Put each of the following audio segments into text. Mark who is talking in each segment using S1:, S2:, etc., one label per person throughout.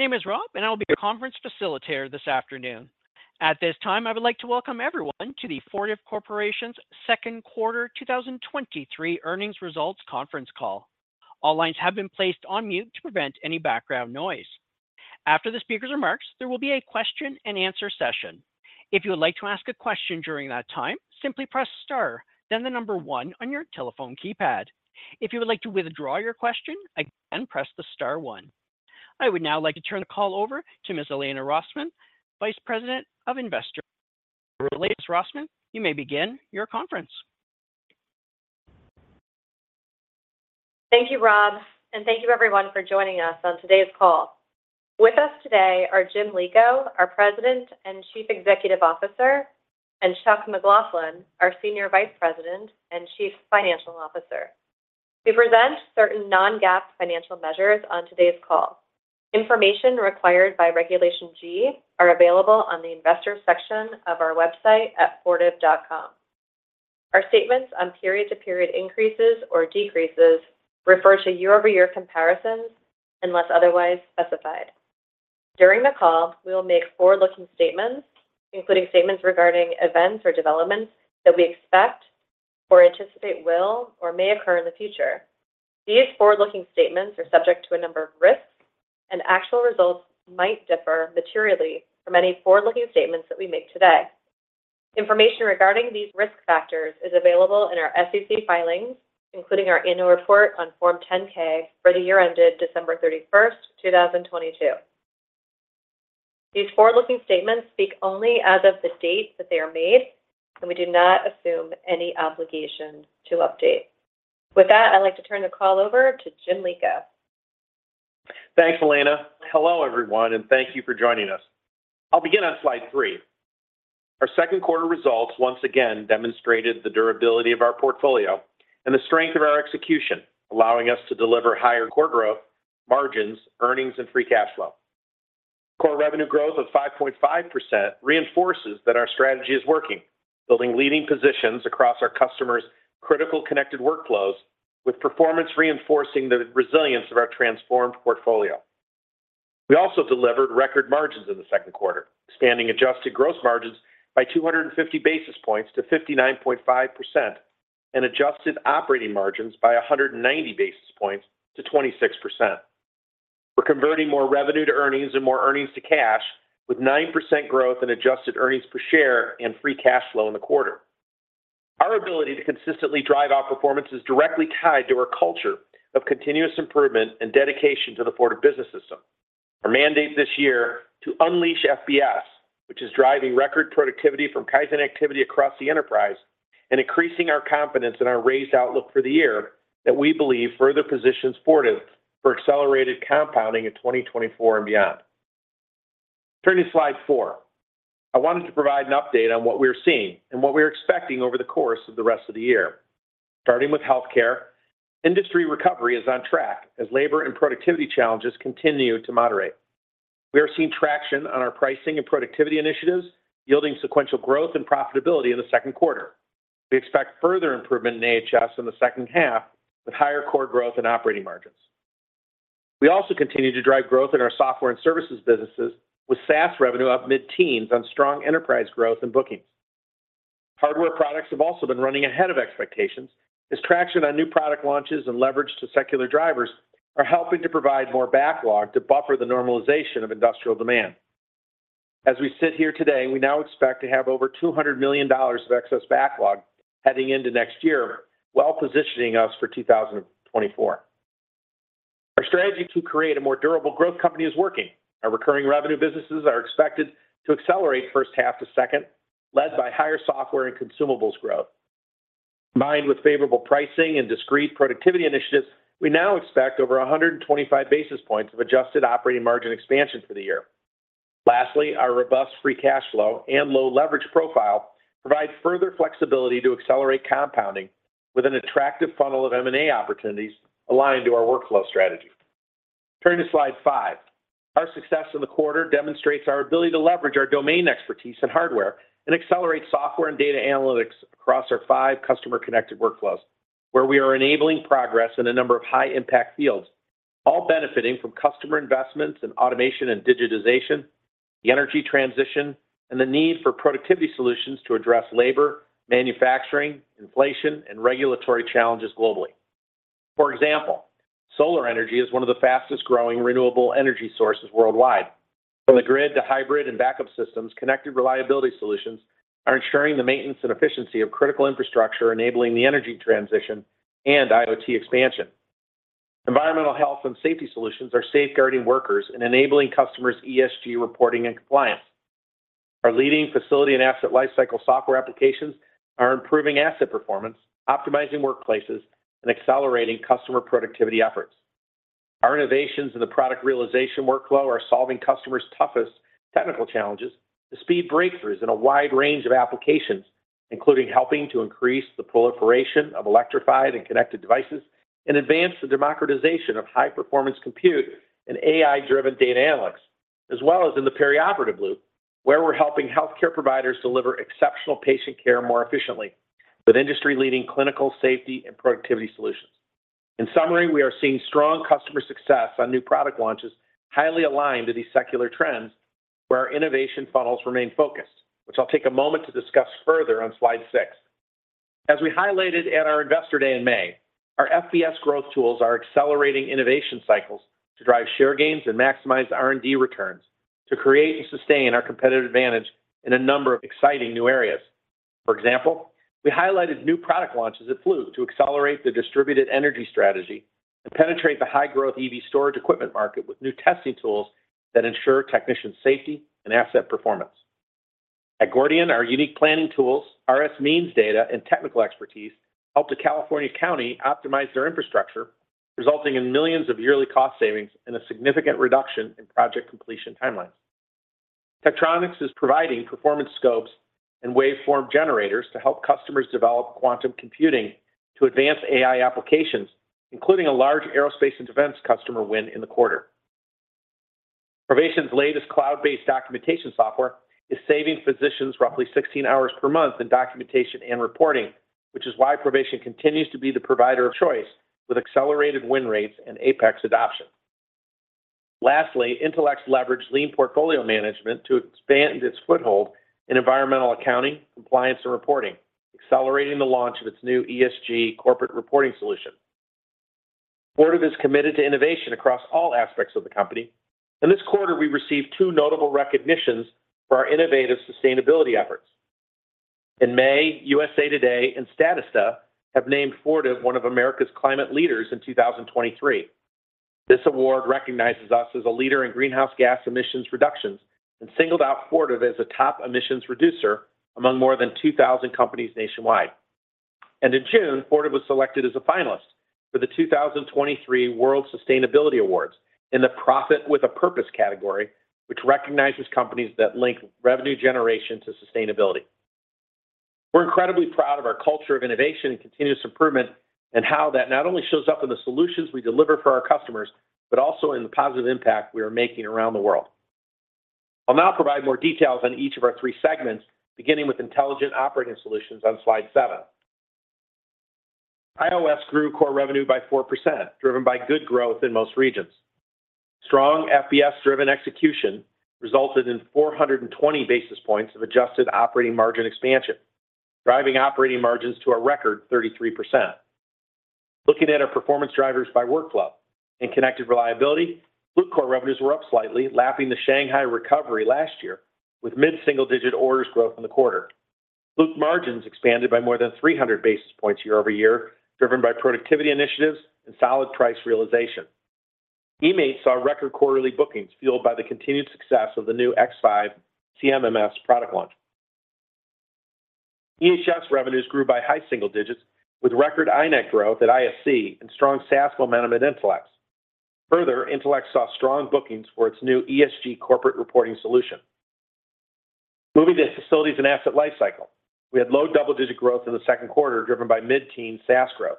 S1: My name is Rob, and I'll be your conference facilitator this afternoon. At this time, I would like to welcome everyone to the Fortive Corporation's second quarter 2023 earnings results conference call. All lines have been placed on mute to prevent any background noise. After the speaker's remarks, there will be a question-and-answer session. If you would like to ask a question during that time, simply press star, then one on your telephone keypad. If you would like to withdraw your question, again, press the star one. I would now like to turn the call over to Ms. Elena Rosman, Vice President of Investor Relations. Rosman, you may begin your conference.
S2: Thank you, Rob, and thank you everyone for joining us on today's call. With us today are Jim Lico, our President and Chief Executive Officer, and Chuck McLaughlin, our Senior Vice President and Chief Financial Officer. We present certain non-GAAP financial measures on today's call. Information required by Regulation G are available on the investor section of our website at fortive.com. Our statements on period-to-period increases or decreases refer to year-over-year comparisons, unless otherwise specified. During the call, we will make forward-looking statements, including statements regarding events or developments that we expect or anticipate will or may occur in the future. These forward-looking statements are subject to a number of risks, and actual results might differ materially from any forward-looking statements that we make today. Information regarding these risk factors is available in our SEC filings, including our annual report on Form 10-K for the year ended December 31, 2022. These forward-looking statements speak only as of the date that they are made, and we do not assume any obligation to update. With that, I'd like to turn the call over to Jim Lico.
S3: Thanks, Elena. Hello, everyone, thank you for joining us. I'll begin on slide three. Our second quarter results once again demonstrated the durability of our portfolio and the strength of our execution, allowing us to deliver higher core growth, margins, earnings, and free cash flow. Core revenue growth of 5.5% reinforces that our strategy is working, building leading positions across our customers' critical connected workflows, with performance reinforcing the resilience of our transformed portfolio. We also delivered record margins in the second quarter, expanding adjusted gross margins by 250 basis points to 59.5% and adjusted operating margins by 190 basis points to 26%. We're converting more revenue to earnings and more earnings to cash, with 9% growth in adjusted earnings per share and free cash flow in the quarter. Our ability to consistently drive our performance is directly tied to our culture of continuous improvement and dedication to the Fortive Business System. Our mandate this year to unleash FBS, which is driving record productivity from Kaizen activity across the enterprise and increasing our confidence in our raised outlook for the year, that we believe further positions Fortive for accelerated compounding in 2024 and beyond. Turning to slide four. I wanted to provide an update on what we are seeing and what we are expecting over the course of the rest of the year. Starting with healthcare, industry recovery is on track as labor and productivity challenges continue to moderate. We are seeing traction on our pricing and productivity initiatives, yielding sequential growth and profitability in the second quarter. We expect further improvement in AHS in the second half, with higher core growth and operating margins. We also continue to drive growth in our software and services businesses, with SaaS revenue up mid-teens on strong enterprise growth and bookings. Hardware products have also been running ahead of expectations, as traction on new product launches and leverage to secular drivers are helping to provide more backlog to buffer the normalization of industrial demand. As we sit here today, we now expect to have over $200 million of excess backlog heading into next year, well positioning us for 2024. Our strategy to create a more durable growth company is working. Our recurring revenue businesses are expected to accelerate first half to second, led by higher software and consumables growth. Combined with favorable pricing and discrete productivity initiatives, we now expect over 125 basis points of adjusted operating margin expansion for the year. Lastly, our robust free cash flow and low leverage profile provide further flexibility to accelerate compounding with an attractive funnel of M&A opportunities aligned to our workflow strategy. Turning to slide five. Our success in the quarter demonstrates our ability to leverage our domain expertise in hardware and accelerate software and data analytics across our five customer-connected workflows, where we are enabling progress in a number of high-impact fields, all benefiting from customer investments in automation and digitization, the energy transition, and the need for productivity solutions to address labor, manufacturing, inflation, and regulatory challenges globally. Solar energy is one of the fastest-growing renewable energy sources worldwide. From the grid to hybrid and backup systems, connected reliability solutions are ensuring the maintenance and efficiency of critical infrastructure, enabling the energy transition and IoT expansion. Environmental health and safety solutions are safeguarding workers and enabling customers' ESG reporting and compliance. Our leading Facility and Asset Lifecycle software applications are improving asset performance, optimizing workplaces, and accelerating customer productivity efforts. Our innovations in the product realization workflow are solving customers' toughest technical challenges to speed breakthroughs in a wide range of applications, including helping to increase the proliferation of electrified and connected devices and advance the democratization of high-performance compute and AI-driven data analytics, as well as in the perioperative loop, where we're helping healthcare providers deliver exceptional patient care more efficiently. With industry-leading clinical safety and productivity solutions. In summary, we are seeing strong customer success on new product launches, highly aligned to these secular trends, where our innovation funnels remain focused, which I'll take a moment to discuss further on slide six. As we highlighted at our Investor Day in May, our FBS growth tools are accelerating innovation cycles to drive share gains and maximize R&D returns, to create and sustain our competitive advantage in a number of exciting new areas. We highlighted new product launches at Fluke to accelerate the distributed energy strategy and penetrate the high-growth EV storage equipment market with new testing tools that ensure technician safety and asset performance. At Gordian, our unique planning tools, RSMeans data, and technical expertise helped a California county optimize their infrastructure, resulting in millions of yearly cost savings and a significant reduction in project completion timelines. Tektronix is providing performance scopes and waveform generators to help customers develop quantum computing to advance AI applications, including a large Aerospace and Defense customer win in the quarter. Provation's latest cloud-based documentation software is saving physicians roughly 16 hours per month in documentation and reporting, which is why Provation continues to be the provider of choice with accelerated win rates and Apex adoption. Lastly, Intelex leveraged lean portfolio management to expand its foothold in environmental accounting, compliance, and reporting, accelerating the launch of its new ESG corporate reporting solution. Fortive is committed to innovation across all aspects of the company. This quarter, we received two notable recognitions for our innovative sustainability efforts. In May, USA TODAY and Statista have named Fortive one of America's climate leaders in 2023. This award recognizes us as a leader in greenhouse gas emissions reductions and singled out Fortive as a top emissions reducer among more than 2,000 companies nationwide. In June, Fortive was selected as a finalist for the 2023 World Sustainability Awards in the Profit with a Purpose category, which recognizes companies that link revenue generation to sustainability. We're incredibly proud of our culture of innovation and continuous improvement, and how that not only shows up in the solutions we deliver for our customers, but also in the positive impact we are making around the world. I'll now provide more details on each of our three segments, beginning with Intelligent Operating Solutions on slide seven. IOS grew core revenue by 4%, driven by good growth in most regions. Strong FBS-driven execution resulted in 420 basis points of adjusted operating margin expansion, driving operating margins to a record 33%. Looking at our performance drivers by workflow and connected reliability, Fluke core revenues were up slightly, lapping the Shanghai recovery last year with mid-single-digit orders growth in the quarter. Fluke margins expanded by more than 300 basis points year-over-year, driven by productivity initiatives and solid price realization. eMaint saw record quarterly bookings, fueled by the continued success of the new X5 CMMS product launch. EHS revenues grew by high single digits, with record iNet growth at ISC and strong SaaS momentum at Intelex. Further, Intelex saw strong bookings for its new ESG corporate reporting solution. Moving to Facilities and Asset Lifecycle, we had low double-digit growth in the second quarter, driven by mid-teen SaaS growth.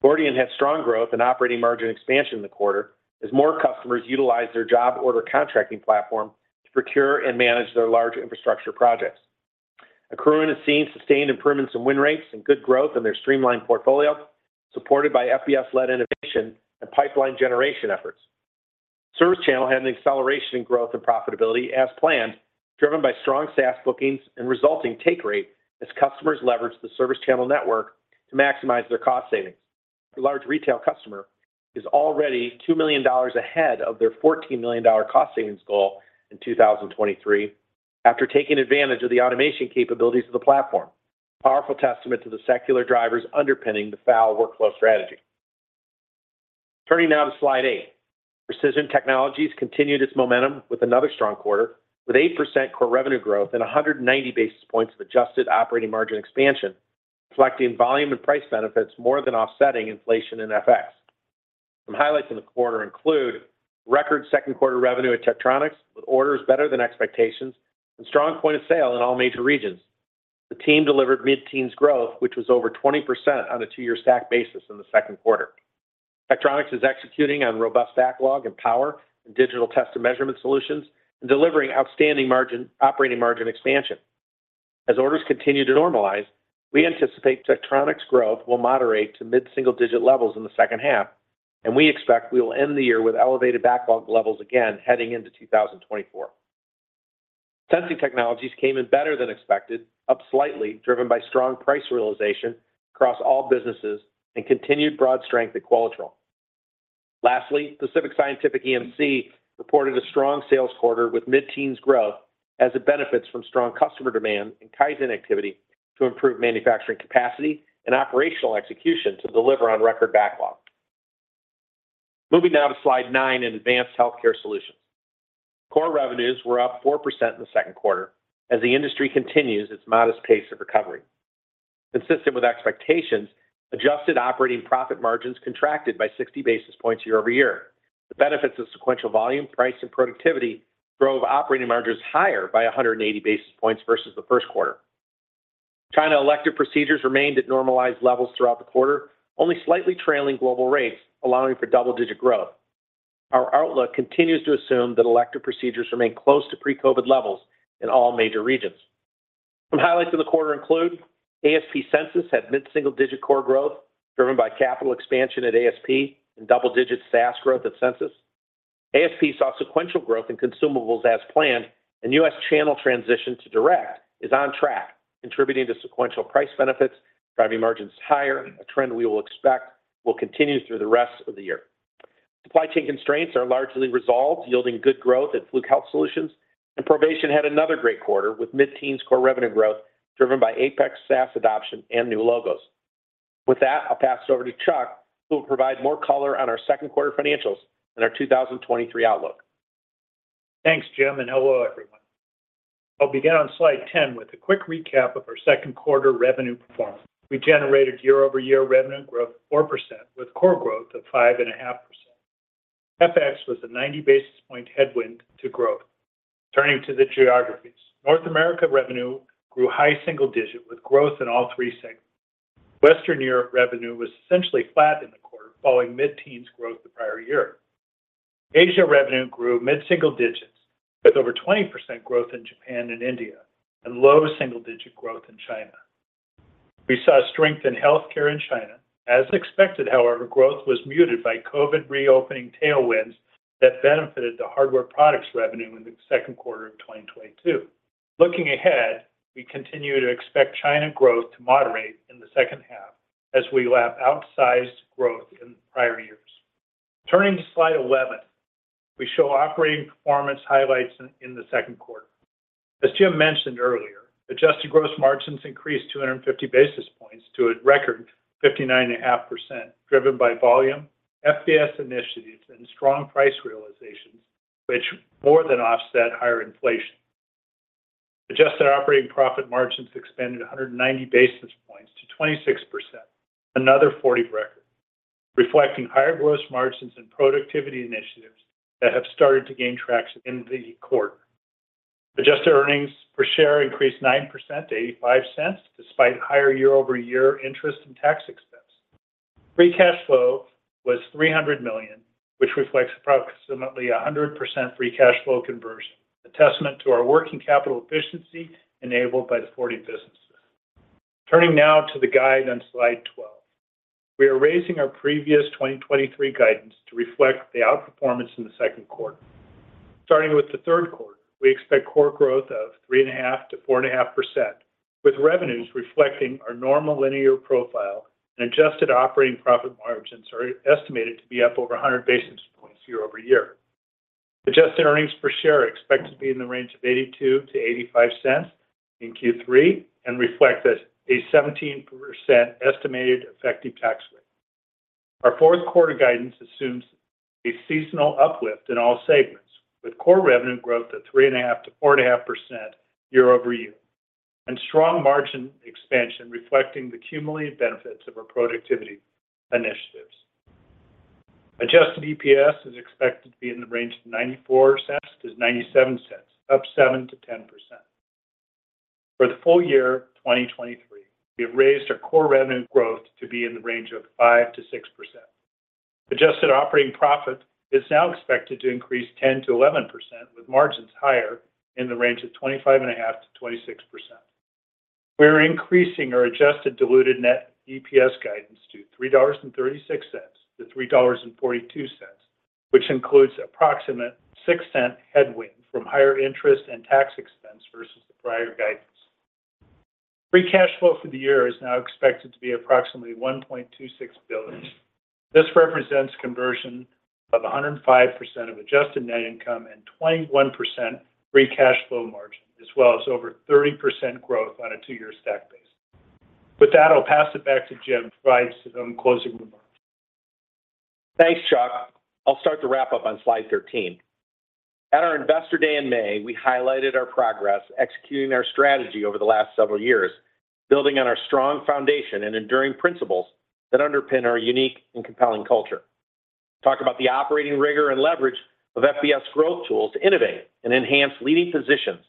S3: Gordian had strong growth and operating margin expansion in the quarter as more customers utilized their job order contracting platform to procure and manage their large infrastructure projects. Accruent has seen sustained improvements in win rates and good growth in their streamlined portfolio, supported by FBS-led innovation and pipeline generation efforts. ServiceChannel had an acceleration in growth and profitability as planned, driven by strong SaaS bookings and resulting take rate as customers leveraged the ServiceChannel network to maximize their cost savings. A large retail customer is already $2 million ahead of their $14 million cost savings goal in 2023 after taking advantage of the automation capabilities of the platform. Powerful testament to the secular drivers underpinning the FAL workflow strategy. Turning now to slide eight. Precision Technologies continued its momentum with another strong quarter, with 8% core revenue growth and 190 basis points of adjusted operating margin expansion, collecting volume and price benefits more than offsetting inflation in FX. Some highlights in the quarter include: record second quarter revenue at Tektronix, with orders better than expectations and strong point of sale in all major regions. The team delivered mid-teens growth, which was over 20% on a 2-year stack basis in the second quarter. Tektronix is executing on robust backlog and power and digital test and measurement solutions, and delivering outstanding margin, operating margin expansion. As orders continue to normalize, we anticipate Tektronix growth will moderate to mid-single-digit levels in the second half, and we expect we will end the year with elevated backlog levels again heading into 2024. Sensing Technologies came in better than expected, up slightly, driven by strong price realization across all businesses and continued broad strength at Qualitrol. Pacific Scientific EMC reported a strong sales quarter with mid-teens growth as it benefits from strong customer demand and Kaizen activity to improve manufacturing capacity and operational execution to deliver on record backlog. Moving now to slide nine in Advanced Healthcare Solutions. Core revenues were up 4% in the 2Q as the industry continues its modest pace of recovery. Consistent with expectations, adjusted operating profit margins contracted by 60 basis points year-over-year. The benefits of sequential volume, price, and productivity drove operating margins higher by 180 basis points versus the 1Q. China elective procedures remained at normalized levels throughout the quarter, only slightly trailing global rates, allowing for double-digit growth. Our outlook continues to assume that elective procedures remain close to pre-COVID levels in all major regions. Some highlights of the quarter include: ASP Censis had mid-single-digit core growth, driven by capital expansion at ASP and double-digit SaaS growth at Censis. ASP saw sequential growth in consumables as planned, and U.S. channel transition to direct is on track, contributing to sequential price benefits, driving margins higher, a trend we will expect will continue through the rest of the year. Supply chain constraints are largely resolved, yielding good growth at Fluke Health Solutions. Provation had another great quarter, with mid-teens core revenue growth, driven by Apex SaaS adoption and new logos. With that, I'll pass it over to Chuck, who will provide more color on our second quarter financials and our 2023 outlook.
S4: Thanks, Jim. Hello, everyone. I'll begin on slide 10 with a quick recap of our second quarter revenue performance. We generated year-over-year revenue growth of 4%, with core growth of 5.5%. FX was a 90 basis point headwind to growth. Turning to the geographies. North America revenue grew high single-digit, with growth in all three segments. Western Europe revenue was essentially flat in the quarter, following mid-teens growth the prior year. Asia revenue grew mid-single digits, with over 20% growth in Japan and India and low single-digit growth in China. We saw strength in healthcare in China. As expected, however, growth was muted by COVID reopening tailwinds that benefited the hardware products revenue in the second quarter of 2022. Looking ahead, we continue to expect China growth to moderate in the second half as we lap outsized growth in prior years. Turning to slide 11, we show operating performance highlights in the second quarter. As Jim mentioned earlier, adjusted gross margins increased 250 basis points to a record 59.5%, driven by volume, FBS initiatives, and strong price realizations, which more than offset higher inflation. Adjusted operating profit margins expanded 190 basis points to 26%, another Fortive record, reflecting higher gross margins and productivity initiatives that have started to gain traction in the quarter. Adjusted earnings per share increased 9% to $0.85, despite higher year-over-year interest and tax expense. Free cash flow was $300 million, which reflects approximately 100% free cash flow conversion, a testament to our working capital efficiency enabled by the Fortive businesses. Turning now to the guide on slide 12. We are raising our previous 2023 guidance to reflect the outperformance in the second quarter. Starting with the third quarter, we expect core growth of 3.5%-4.5%, with revenues reflecting our normal linear profile and adjusted operating profit margins are estimated to be up over 100 basis points year-over-year. Adjusted earnings per share are expected to be in the range of $0.82-$0.85 in Q3 and reflect that a 17% estimated effective tax rate. Our fourth quarter guidance assumes a seasonal uplift in all segments, with core revenue growth of 3.5%-4.5% year-over-year, and strong margin expansion, reflecting the cumulative benefits of our productivity initiatives. Adjusted EPS is expected to be in the range of $0.94-$0.97, up 7%-10%. For the full year, 2023, we have raised our core revenue growth to be in the range of 5%-6%. Adjusted operating profit is now expected to increase 10%-11%, with margins higher in the range of 25.5%-26%. We are increasing our adjusted diluted net EPS guidance to $3.36-$3.42, which includes approximate six cent headwind from higher interest and tax expense versus the prior guidance. Free cash flow for the year is now expected to be approximately $1.26 billion. This represents conversion of 105% of adjusted net income and 21% free cash flow margin, as well as over 30% growth on a 2-year stack base. I'll pass it back to Jim to provide some closing remarks.
S3: Thanks, Chuck. I'll start the wrap-up on slide 13. At our Investor Day in May, we highlighted our progress, executing our strategy over the last several years, building on our strong foundation and enduring principles that underpin our unique and compelling culture. Talked about the operating rigor and leverage of FBS growth tools to innovate and enhance leading positions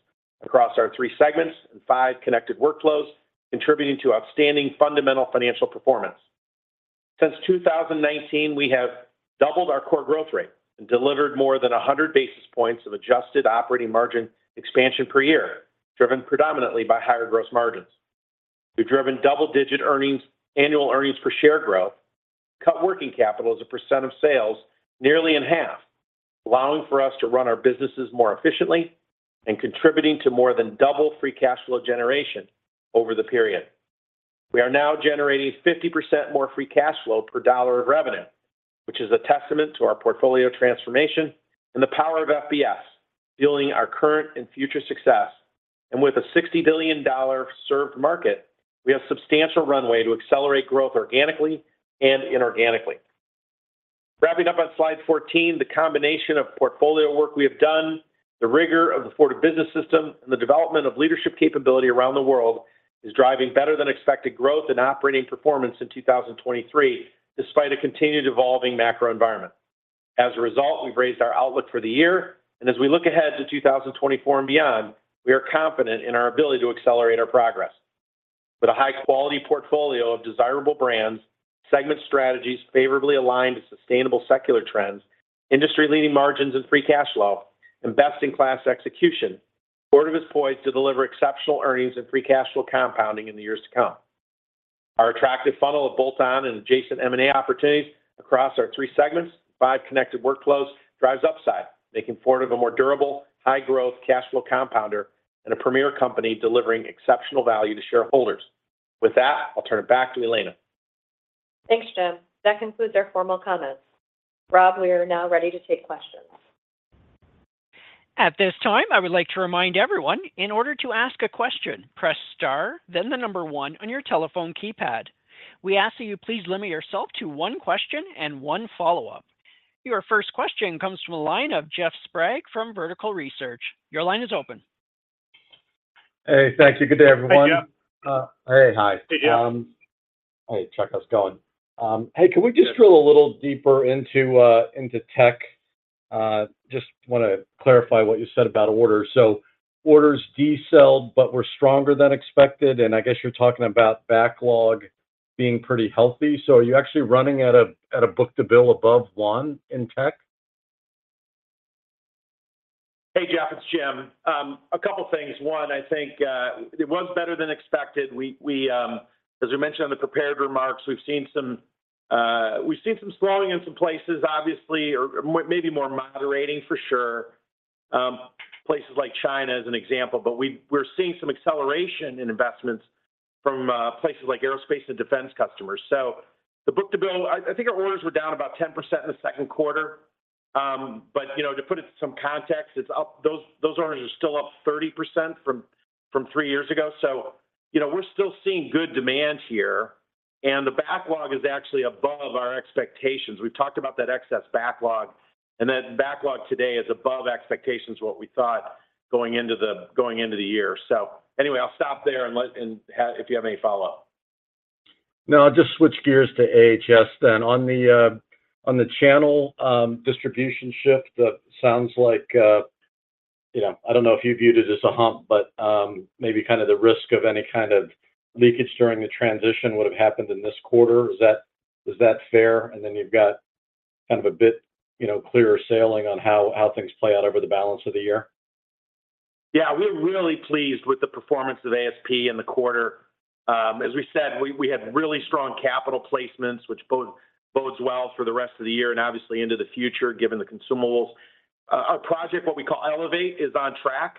S3: across our three segments and five connected workflows, contributing to outstanding fundamental financial performance. Since 2019, we have doubled our core growth rate and delivered more than 100 basis points of adjusted operating margin expansion per year, driven predominantly by higher gross margins. We've driven double-digit earnings, annual earnings per share growth, cut working capital as a % of sales nearly in half, allowing for us to run our businesses more efficiently and contributing to more than double free cash flow generation over the period. We are now generating 50% more free cash flow per dollar of revenue, which is a testament to our portfolio transformation and the power of FBS, fueling our current and future success. With a $60 billion served market, we have substantial runway to accelerate growth organically and inorganically. Wrapping up on slide 14, the combination of portfolio work we have done, the rigor of the Fortive Business System, and the development of leadership capability around the world is driving better than expected growth and operating performance in 2023, despite a continued evolving macro environment. As a result, we've raised our outlook for the year, and as we look ahead to 2024 and beyond, we are confident in our ability to accelerate our progress.... With a high-quality portfolio of desirable brands, segment strategies favorably aligned to sustainable secular trends, industry-leading margins and free cash flow, and best-in-class execution, Fortive is poised to deliver exceptional earnings and free cash flow compounding in the years to come. Our attractive funnel of bolt-on and adjacent M&A opportunities across our three segments, five connected workflows, drives upside, making Fortive a more durable, high-growth cash flow compounder and a premier company delivering exceptional value to shareholders. With that, I'll turn it back to Elena.
S2: Thanks, Jim. That concludes our formal comments. Rob, we are now ready to take questions.
S1: At this time, I would like to remind everyone, in order to ask a question, press Star, then the number one on your telephone keypad. We ask that you please limit yourself to one question and one follow-up. Your first question comes from the line of Jeff Sprague from Vertical Research. Your line is open.
S5: Hey, thank you. Good day, everyone.
S3: Hey, Jeff.
S5: Hey. Hi.
S3: Hey, Jeff.
S5: Hey, Chuck, how's it going?
S3: Yes
S5: Drill a little deeper into tech? Just wanna clarify what you said about orders. Orders decelled, but were stronger than expected, and I guess you're talking about backlog being pretty healthy. Are you actually running at a, at a book to bill above one in tech?
S3: Hey, Jeff, it's Jim. A couple things. One, I think, it was better than expected. We, as we mentioned on the prepared remarks, we've seen some slowing in some places, obviously, or maybe more moderating for sure, places like China, as an example. We're seeing some acceleration in investments from places like Aerospace & Defense customers. The book to bill, I think our orders were down about 10% in the second quarter. You know, to put it in some context, it's up those orders are still up 30% from three years ago. You know, we're still seeing good demand here, and the backlog is actually above our expectations. We've talked about that excess backlog, and that backlog today is above expectations, what we thought going into the year. Anyway, I'll stop there and, if you have any follow-up.
S5: No, I'll just switch gears to AHS then. On the channel, distribution shift, that sounds like, you know, I don't know if you viewed it as a hump, but, maybe kind of the risk of any kind of leakage during the transition would have happened in this quarter. Is that fair? Then you've got kind of a bit, you know, clearer sailing on how things play out over the balance of the year.
S3: Yeah, we're really pleased with the performance of ASP in the quarter. As we said, we had really strong capital placements, which bodes well for the rest of the year and obviously into the future, given the consumables. Our project, what we call Elevate, is on track,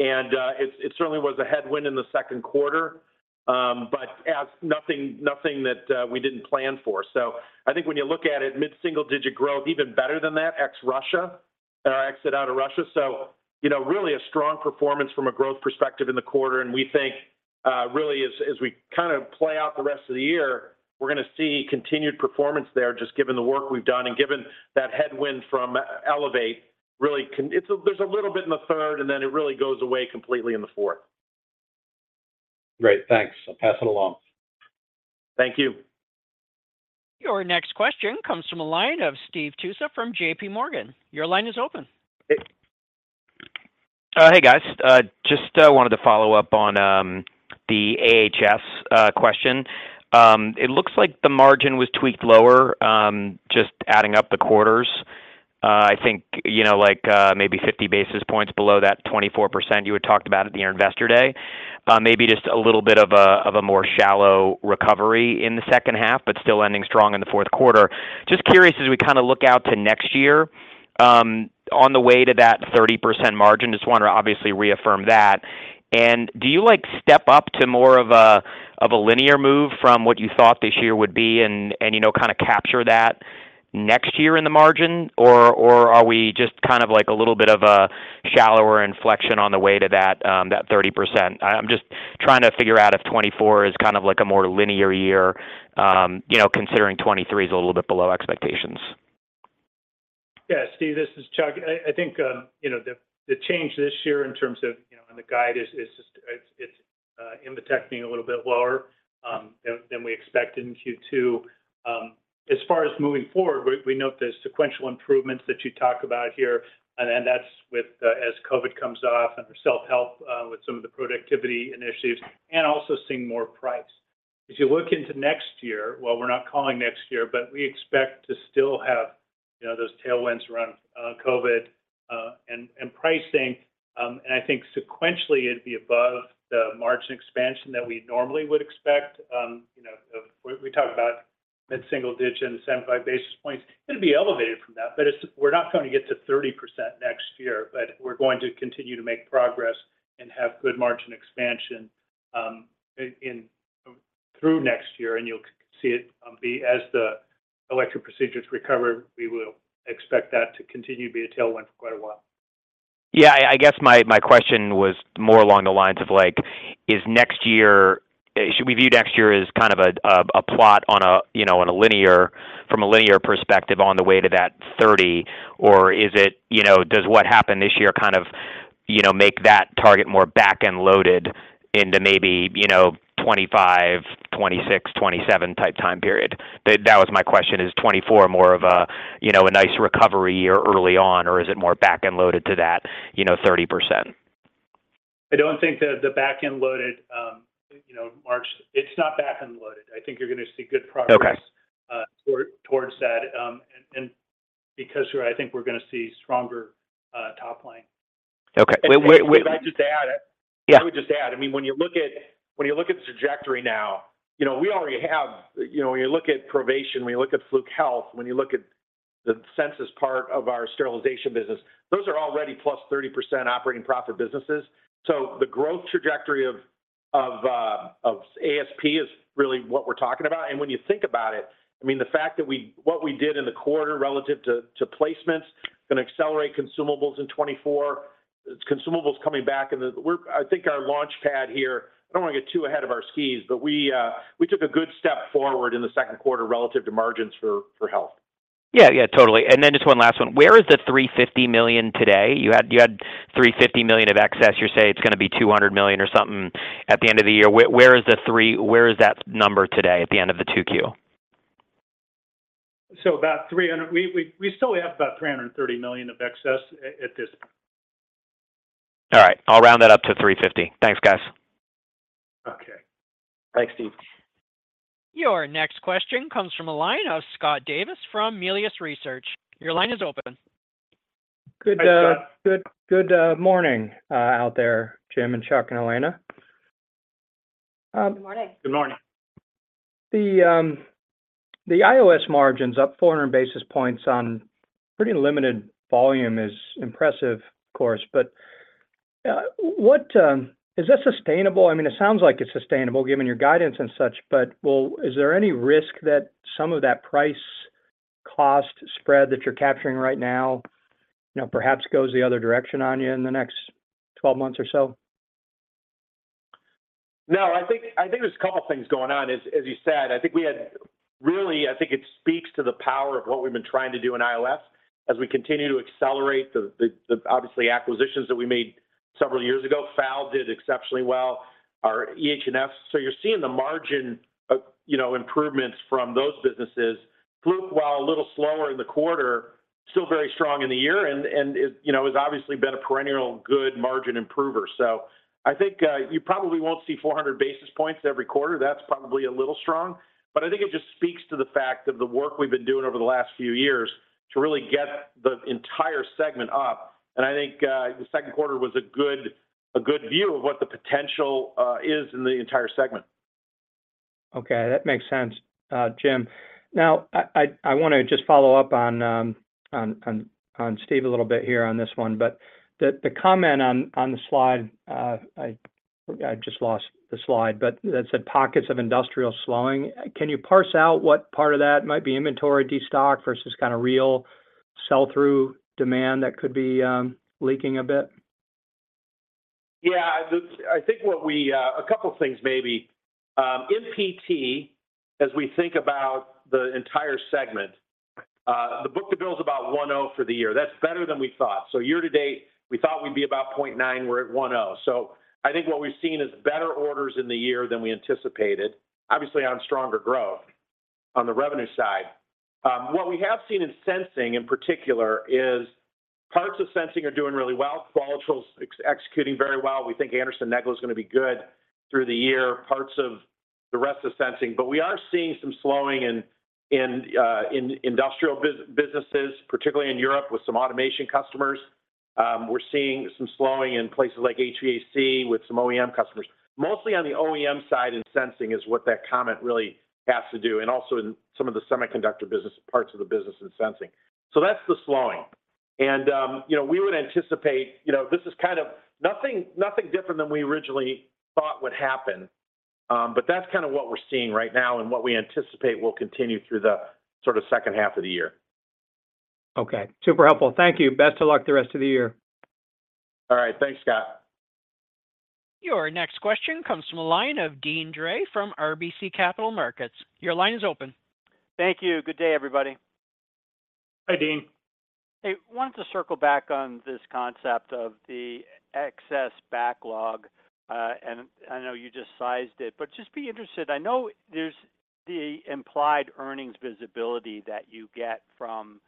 S3: and it certainly was a headwind in the second quarter, but as nothing that we didn't plan for. I think when you look at it, mid-single-digit growth, even better than that, ex-Russia, exit out of Russia. you know, really a strong performance from a growth perspective in the quarter, and we think really as we kind of play out the rest of the year, we're gonna see continued performance there, just given the work we've done and given that headwind from Elevate. Really, there's a little bit in the third, and then it really goes away completely in the fourth.
S5: Great, thanks. I'll pass it along.
S3: Thank you.
S1: Your next question comes from the line of Steve Tusa from JPMorgan. Your line is open.
S6: Hey, guys. Just wanted to follow up on the AHS question. It looks like the margin was tweaked lower, just adding up the quarters. I think, you know, like, maybe 50 basis points below that 24% you had talked about at your Investor Day. Maybe just a little bit of a more shallow recovery in the second half, but still ending strong in the fourth quarter. Just curious, as we kinda look out to next year, on the way to that 30% margin, just want to obviously reaffirm that. Do you, like, step up to more of a linear move from what you thought this year would be and, you know, kinda capture that next year in the margin? Are we just kind of like a little bit of a shallower inflection on the way to that 30%? I'm just trying to figure out if 2024 is kind of like a more linear year, you know, considering 2023 is a little bit below expectations.
S4: Yeah, Steve, this is Chuck. I think, you know, the change this year in terms of, you know, and the guide is just, it's in the tech being a little bit lower than we expected in Q2. As far as moving forward, we note the sequential improvements that you talk about here, and that's with as COVID comes off and the self-help with some of the productivity initiatives, and also seeing more price. If you look into next year, well, we're not calling next year, but we expect to still have, you know, those tailwinds around COVID and pricing. I think sequentially, it'd be above the margin expansion that we normally would expect. You know, we talked about mid-single digit and 75 basis points. It'd be elevated from that, but we're not going to get to 30% next year, but we're going to continue to make progress and have good margin expansion, in, through next year, and you'll see it be as the elective procedures recover, we will expect that to continue to be a tailwind for quite a while.
S6: Yeah, I guess my question was more along the lines of, like, is next year should we view next year as kind of a plot on a, you know, from a linear perspective on the way to that 30? Is it, you know, does what happen this year kind of, you know, make that target more back-end loaded into maybe, you know, 2025-... 2026, 2027 type time period. That was my question, is 2024 more of a, you know, a nice recovery year early on, or is it more back-end loaded to that, you know, 30%?
S4: I don't think that the back-end loaded, you know, March, it's not back-end loaded. I think you're gonna see good progress.
S6: Okay.
S4: Towards that, and because I think we're gonna see stronger, top line.
S6: Okay. Wait, wait-
S3: If I could just add-
S6: Yeah.
S3: I would just add, when you look at the trajectory now, we already have. When you look at Provation, when you look at Fluke Health, when you look at Censis part of our sterilization business, those are already +30% operating profit businesses. The growth trajectory of ASP is really what we're talking about. When you think about it, the fact that what we did in the quarter relative to placements, gonna accelerate consumables in 2024. It's consumables coming back, I think our launch pad here, I don't want to get too ahead of our skis, but we took a good step forward in the second quarter relative to margins for health.
S6: Yeah, yeah, totally. Just one last one: Where is the $350 million today? You had $350 million of excess. You say it's gonna be $200 million or something at the end of the year. Where is that number today at the end of the 2Q?
S4: We still have about $330 million of excess at this.
S6: All right, I'll round that up to $350. Thanks, guys.
S4: Okay.
S3: Thanks, Steve.
S1: Your next question comes from the line of Scott Davis from Melius Research. Your line is open.
S7: Good-
S3: Hi, Scott
S7: Good morning, out there, Jim and Chuck, and Elena.
S2: Good morning.
S3: Good morning.
S7: The IOS margin's up 400 basis points on pretty limited volume is impressive, of course. Is that sustainable? I mean, it sounds like it's sustainable, given your guidance and such, but, well, is there any risk that some of that price cost spread that you're capturing right now, you know, perhaps goes the other direction on you in the next 12 months or so?
S3: No, I think, I think there's a couple of things going on. As, as you said, I think really, I think it speaks to the power of what we've been trying to do in IOS as we continue to accelerate the, the obviously acquisitions that we made several years ago. FAL did exceptionally well, our EHS. You're seeing the margin of, you know, improvements from those businesses. Fluke, while a little slower in the quarter, still very strong in the year, and it, you know, has obviously been a perennial good margin improver. I think, you probably won't see 400 basis points every quarter. That's probably a little strong, but I think it just speaks to the fact that the work we've been doing over the last few years to really get the entire segment up, and I think, the second quarter was a good view of what the potential is in the entire segment.
S7: Okay, that makes sense, Jim. I want to just follow up on Steve a little bit here on this one, but the comment on the slide, I just lost the slide, but that said, "pockets of industrial slowing." Can you parse out what part of that might be inventory, destock versus kind of real sell-through demand that could be leaking a bit?
S3: A couple of things, maybe. In PT, as we think about the entire segment, the book-to-bill is about 1.0 for the year. That's better than we thought. Year to date, we thought we'd be about 0.9. We're at 1.0. I think what we've seen is better orders in the year than we anticipated, obviously on stronger growth on the revenue side. What we have seen in Sensing, in particular, is parts of Sensing are doing really well. Qualitrol's executing very well. We think Anderson-Negele is gonna be good through the year, parts of the rest of Sensing. We are seeing some slowing in industrial businesses, particularly in Europe, with some automation customers. We're seeing some slowing in places like HVAC, with some OEM customers. Mostly on the OEM side in sensing is what that comment really has to do, and also in some of the semiconductor business, parts of the business in sensing. That's the slowing. You know, we would anticipate, you know, this is kind of nothing different than we originally thought would happen, but that's kind of what we're seeing right now and what we anticipate will continue through the sort of second half of the year.
S7: Super helpful. Thank you. Best of luck the rest of the year.
S3: All right. Thanks, Scott.
S1: Your next question comes from the line of Deane Dray from RBC Capital Markets. Your line is open.
S8: Thank you. Good day, everybody.
S3: Hi, Deane.
S8: Wanted to circle back on this concept of the excess backlog. I know you just sized it, just be interested. I know there's the implied earnings visibility that you get from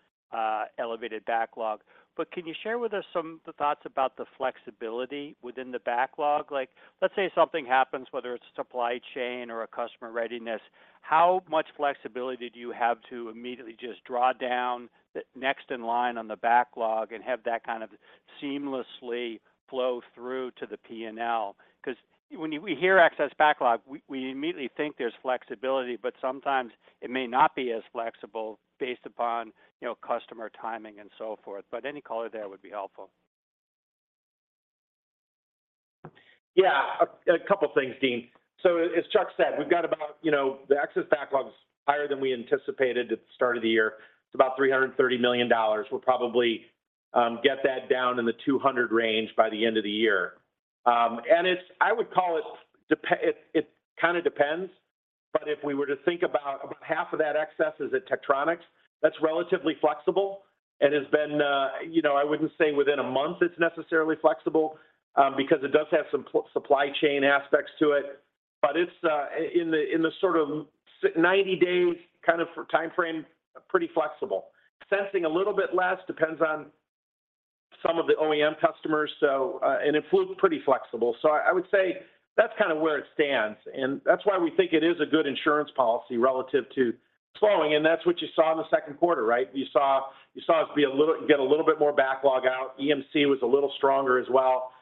S8: elevated backlog. Can you share with us some thoughts about the flexibility within the backlog? Like, let's say something happens, whether it's supply chain or a customer readiness, how much flexibility do you have to immediately just draw down the next in line on the backlog and have that kind of seamlessly flow through to the P&L? When we hear excess backlog, we immediately think there's flexibility. Sometimes it may not be as flexible based upon, you know, customer timing and so forth. Any color there would be helpful.
S3: Yeah, a couple of things, Deane. As Chuck said, we've got about, you know, the excess backlog is higher than we anticipated at the start of the year. It's about $330 million. We'll probably get that down in the 200 range by the end of the year. It's I would call it kind of depends, but if we were to think about half of that excess is at Tektronix, that's relatively flexible. And has been, you know, I wouldn't say within a month it's necessarily flexible, because it does have some supply chain aspects to it. It's in the, in the sort of 90 days kind of for timeframe, pretty flexible. Sensing a little bit less, depends on some of the OEM customers. And Fluke's pretty flexible. I would say that's kind of where it stands, and that's why we think it is a good insurance policy relative to slowing, and that's what you saw in the second quarter, right? You saw us get a little bit more backlog out. EMC was a little stronger as well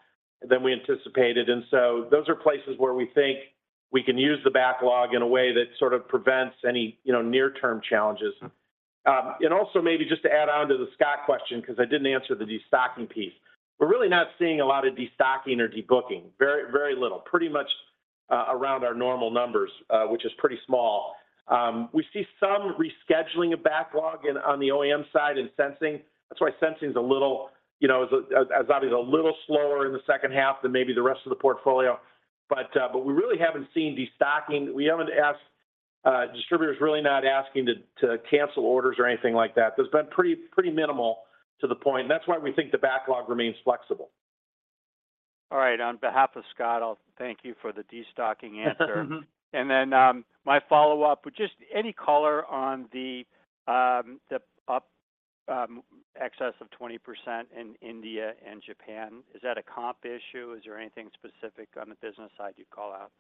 S3: than we anticipated. Those are places where we think we can use the backlog in a way that sort of prevents any, you know, near-term challenges. Also maybe just to add on to the Scott question, because I didn't answer the destocking piece. We're really not seeing a lot of destocking or debooking. Very, very little. Pretty much around our normal numbers, which is pretty small. We see some rescheduling of backlog on the OEM side in sensing. That's why sensing is a little, you know, as obviously a little slower in the second half than maybe the rest of the portfolio. But we really haven't seen destocking. We haven't distributors really not asking to cancel orders or anything like that. There's been pretty minimal to the point, and that's why we think the backlog remains flexible.
S8: All right. On behalf of Scott, I'll thank you for the destocking answer. My follow-up, just any color on the excess of 20% in India and Japan. Is that a comp issue? Is there anything specific on the business side you'd call out?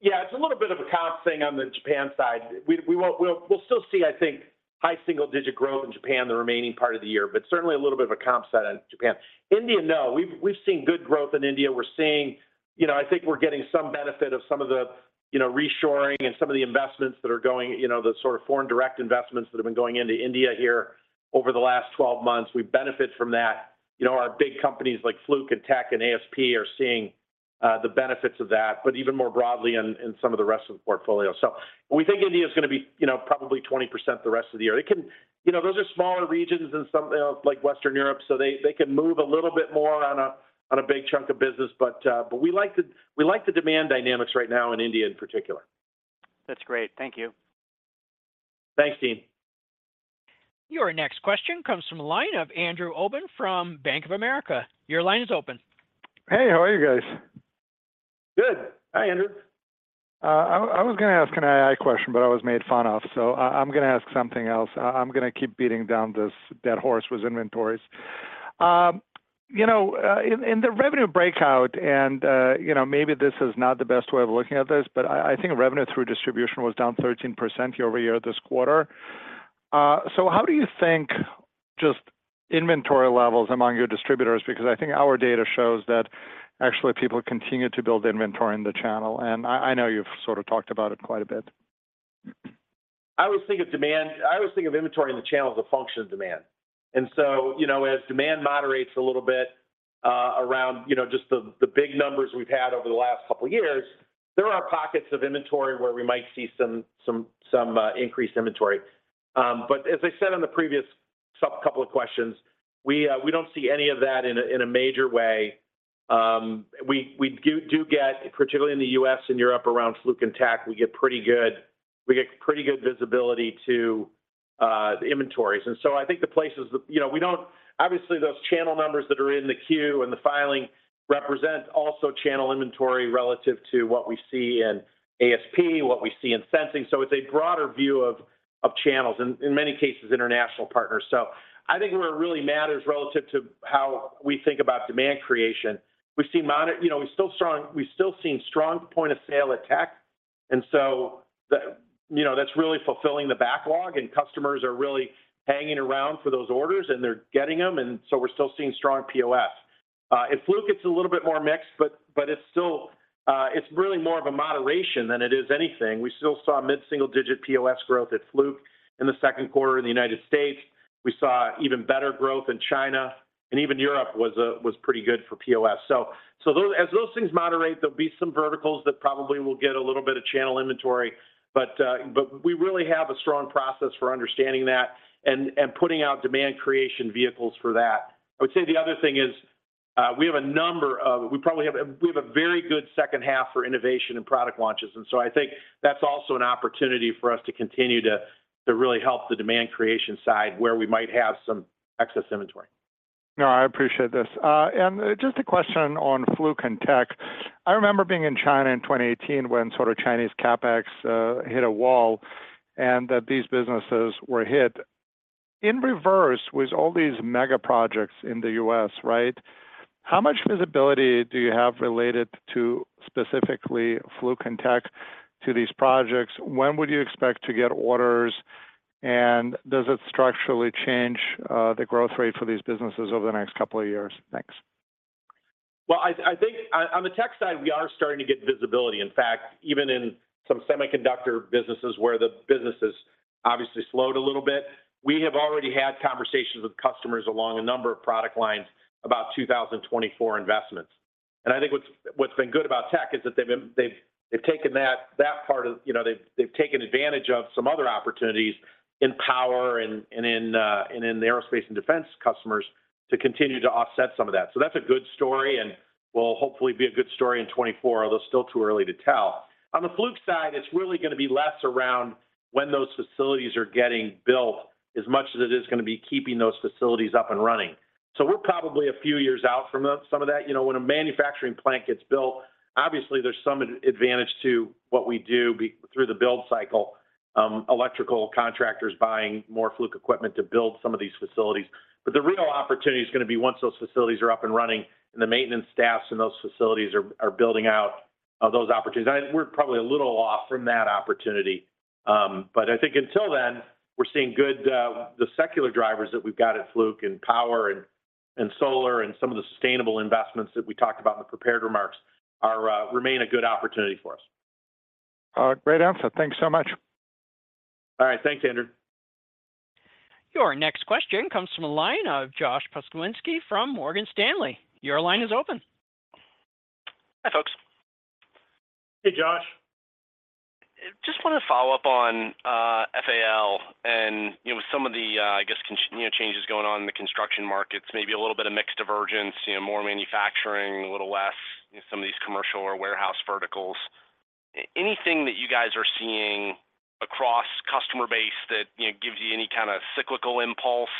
S3: Yeah, it's a little bit of a comp thing on the Japan side. We'll still see, I think, high single-digit growth in Japan, the remaining part of the year, but certainly a little bit of a comp set in Japan. India, no. We've seen good growth in India. We're getting, you know, I think we're getting some benefit of some of the, you know, reshoring and some of the investments that are going, you know, the sort of foreign direct investments that have been going into India here over the last 12 months. We benefit from that. You know, our big companies like Fluke and Tech and ASP are seeing the benefits of that, but even more broadly in some of the rest of the portfolio. We think India is gonna be, you know, probably 20% the rest of the year. It you know, those are smaller regions than something else like Western Europe, so they can move a little bit more on a big chunk of business. We like the demand dynamics right now in India in particular.
S8: That's great. Thank you.
S3: Thanks, Deane.
S1: Your next question comes from the line of Andrew Obin from Bank of America. Your line is open.
S9: Hey, how are you guys?
S3: Good. Hi, Andrew.
S9: I was gonna ask an AI question, but I was made fun of, so I'm gonna ask something else. I'm gonna keep beating down this dead horse with inventories. You know, in the revenue breakout, and, you know, maybe this is not the best way of looking at this, but I think revenue through distribution was down 13% year-over-year this quarter. How do you think just inventory levels among your distributors? Because I think our data shows that actually people continue to build inventory in the channel, and I know you've sort of talked about it quite a bit.
S3: I always think of inventory in the channel as a function of demand. you know, as demand moderates a little bit, around, you know, the big numbers we've had over the last couple of years, there are pockets of inventory where we might see some increased inventory. But as I said in the previous couple of questions, we don't see any of that in a major way. we do get, particularly in the U.S. and Europe, around Fluke and Tech, we get pretty good visibility to the inventories. I think the places that, you know, we don't obviously those channel numbers that are in the queue and the filing represent also channel inventory relative to what we see in ASP, what we see in sensing. It's a broader view of channels, and in many cases, international partners. I think what really matters relative to how we think about demand creation, we've seen, you know, we've still seen strong point-of-sale attack, and so the, you know, that's really fulfilling the backlog, and customers are really hanging around for those orders, and they're getting them, and so we're still seeing strong PoS. At Fluke, it's a little bit more mixed, but it's still, it's really more of a moderation than it is anything. We still saw mid-single-digit POS growth at Fluke in the second quarter in the United States. We saw even better growth in China, and even Europe was pretty good for POS. As those things moderate, there'll be some verticals that probably will get a little bit of channel inventory, but we really have a strong process for understanding that and putting out demand creation vehicles for that. I would say the other thing is, we have a very good second half for innovation and product launches, I think that's also an opportunity for us to continue to really help the demand creation side, where we might have some excess inventory.
S9: No, I appreciate this. Just a question on Fluke and Tech. I remember being in China in 2018 when sort of Chinese CapEx hit a wall, and that these businesses were hit. In reverse, with all these mega projects in the U.S., right? How much visibility do you have related to specifically Fluke and Tech to these projects? When would you expect to get orders, and does it structurally change the growth rate for these businesses over the next couple of years? Thanks.
S3: I think on the Tech side, we are starting to get visibility. In fact, even in some semiconductor businesses, where the business has obviously slowed a little bit, we have already had conversations with customers along a number of product lines about 2024 investments. I think what's been good about Tech is that they've taken that, you know, they've taken advantage of some other opportunities in power and in and in the aerospace and defense customers to continue to offset some of that. That's a good story, and will hopefully be a good story in 2024, although still too early to tell. On the Fluke side, it's really gonna be less around when those facilities are getting built, as much as it is gonna be keeping those facilities up and running. We're probably a few years out from some of that. You know, when a manufacturing plant gets built, obviously there's some advantage to what we do through the build cycle. Electrical contractors buying more Fluke equipment to build some of these facilities. The real opportunity is gonna be once those facilities are up and running, and the maintenance staffs in those facilities are building out those opportunities. We're probably a little off from that opportunity. I think until then, we're seeing good. The secular drivers that we've got at Fluke, and power, and solar, and some of the sustainable investments that we talked about in the prepared remarks remain a good opportunity for us.
S9: Great answer. Thanks so much.
S3: All right, thanks, Andrew.
S1: Your next question comes from the line of Josh Pokrzywinski from Morgan Stanley. Your line is open.
S10: Hi, folks.
S3: Hey, Josh.
S10: Just wanted to follow up on FAL and, you know, some of the, I guess, you know, changes going on in the construction markets, maybe a little bit of mixed divergence, you know, more manufacturing, a little less in some of these commercial or warehouse verticals. Anything that you guys are seeing across customer base that, you know, gives you any kind of cyclical impulse,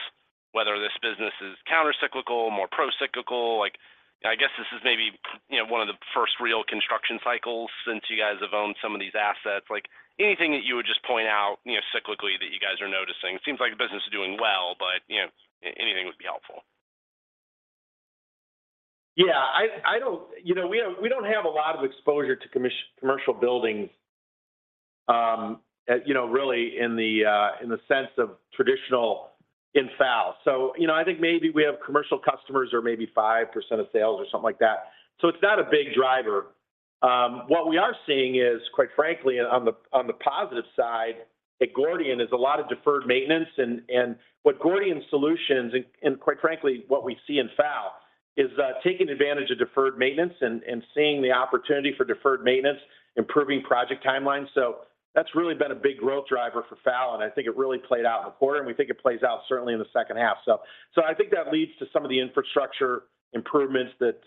S10: whether this business is countercyclical, more procyclical? Like, I guess this is maybe, you know, one of the first real construction cycles since you guys have owned some of these assets. Like, anything that you would just point out, you know, cyclically, that you guys are noticing? It seems like the business is doing well, but, you know, anything would be helpful.
S3: Yeah, I, you know, we don't, we don't have a lot of exposure to commercial buildings, you know, really in the sense of traditional in FAL. You know, I think maybe we have commercial customers or maybe 5% of sales or something like that. It's not a big driver. What we are seeing is, quite frankly, on the positive side, at Gordian, is a lot of deferred maintenance. What Gordian Solutions, and quite frankly, what we see in FAL, is taking advantage of deferred maintenance and seeing the opportunity for deferred maintenance, improving project timelines. That's really been a big growth driver for FAL, and I think it really played out in the quarter, and we think it plays out certainly in the second half. I think that leads to some of the infrastructure improvements that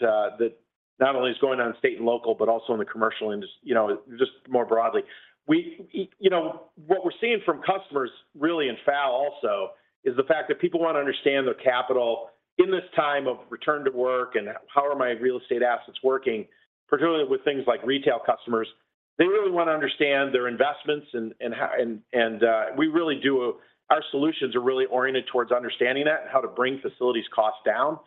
S3: not only is going on in state and local, but also in the commercial, you know, just more broadly. You know, what we're seeing from customers, really in FAL also, is the fact that people wanna understand their capital in this time of return to work, and how are my real estate assets working, particularly with things like retail customers. They really wanna understand their investments, and we really do. Our solutions are really oriented towards understanding that and how to bring facilities costs down.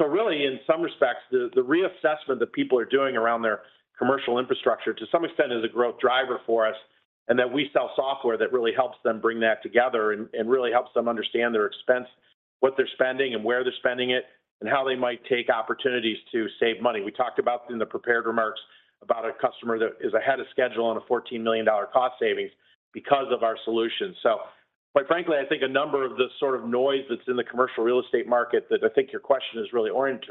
S3: Really, in some respects, the reassessment that people are doing around their commercial infrastructure, to some extent, is a growth driver for us, and that we sell software that really helps them bring that together and really helps them understand their expense, what they're spending and where they're spending it, and how they might take opportunities to save money. We talked about in the prepared remarks about a customer that is ahead of schedule on a $14 million cost savings because of our solutions. Quite frankly, I think a number of the sort of noise that's in the commercial real estate market, that I think your question is really oriented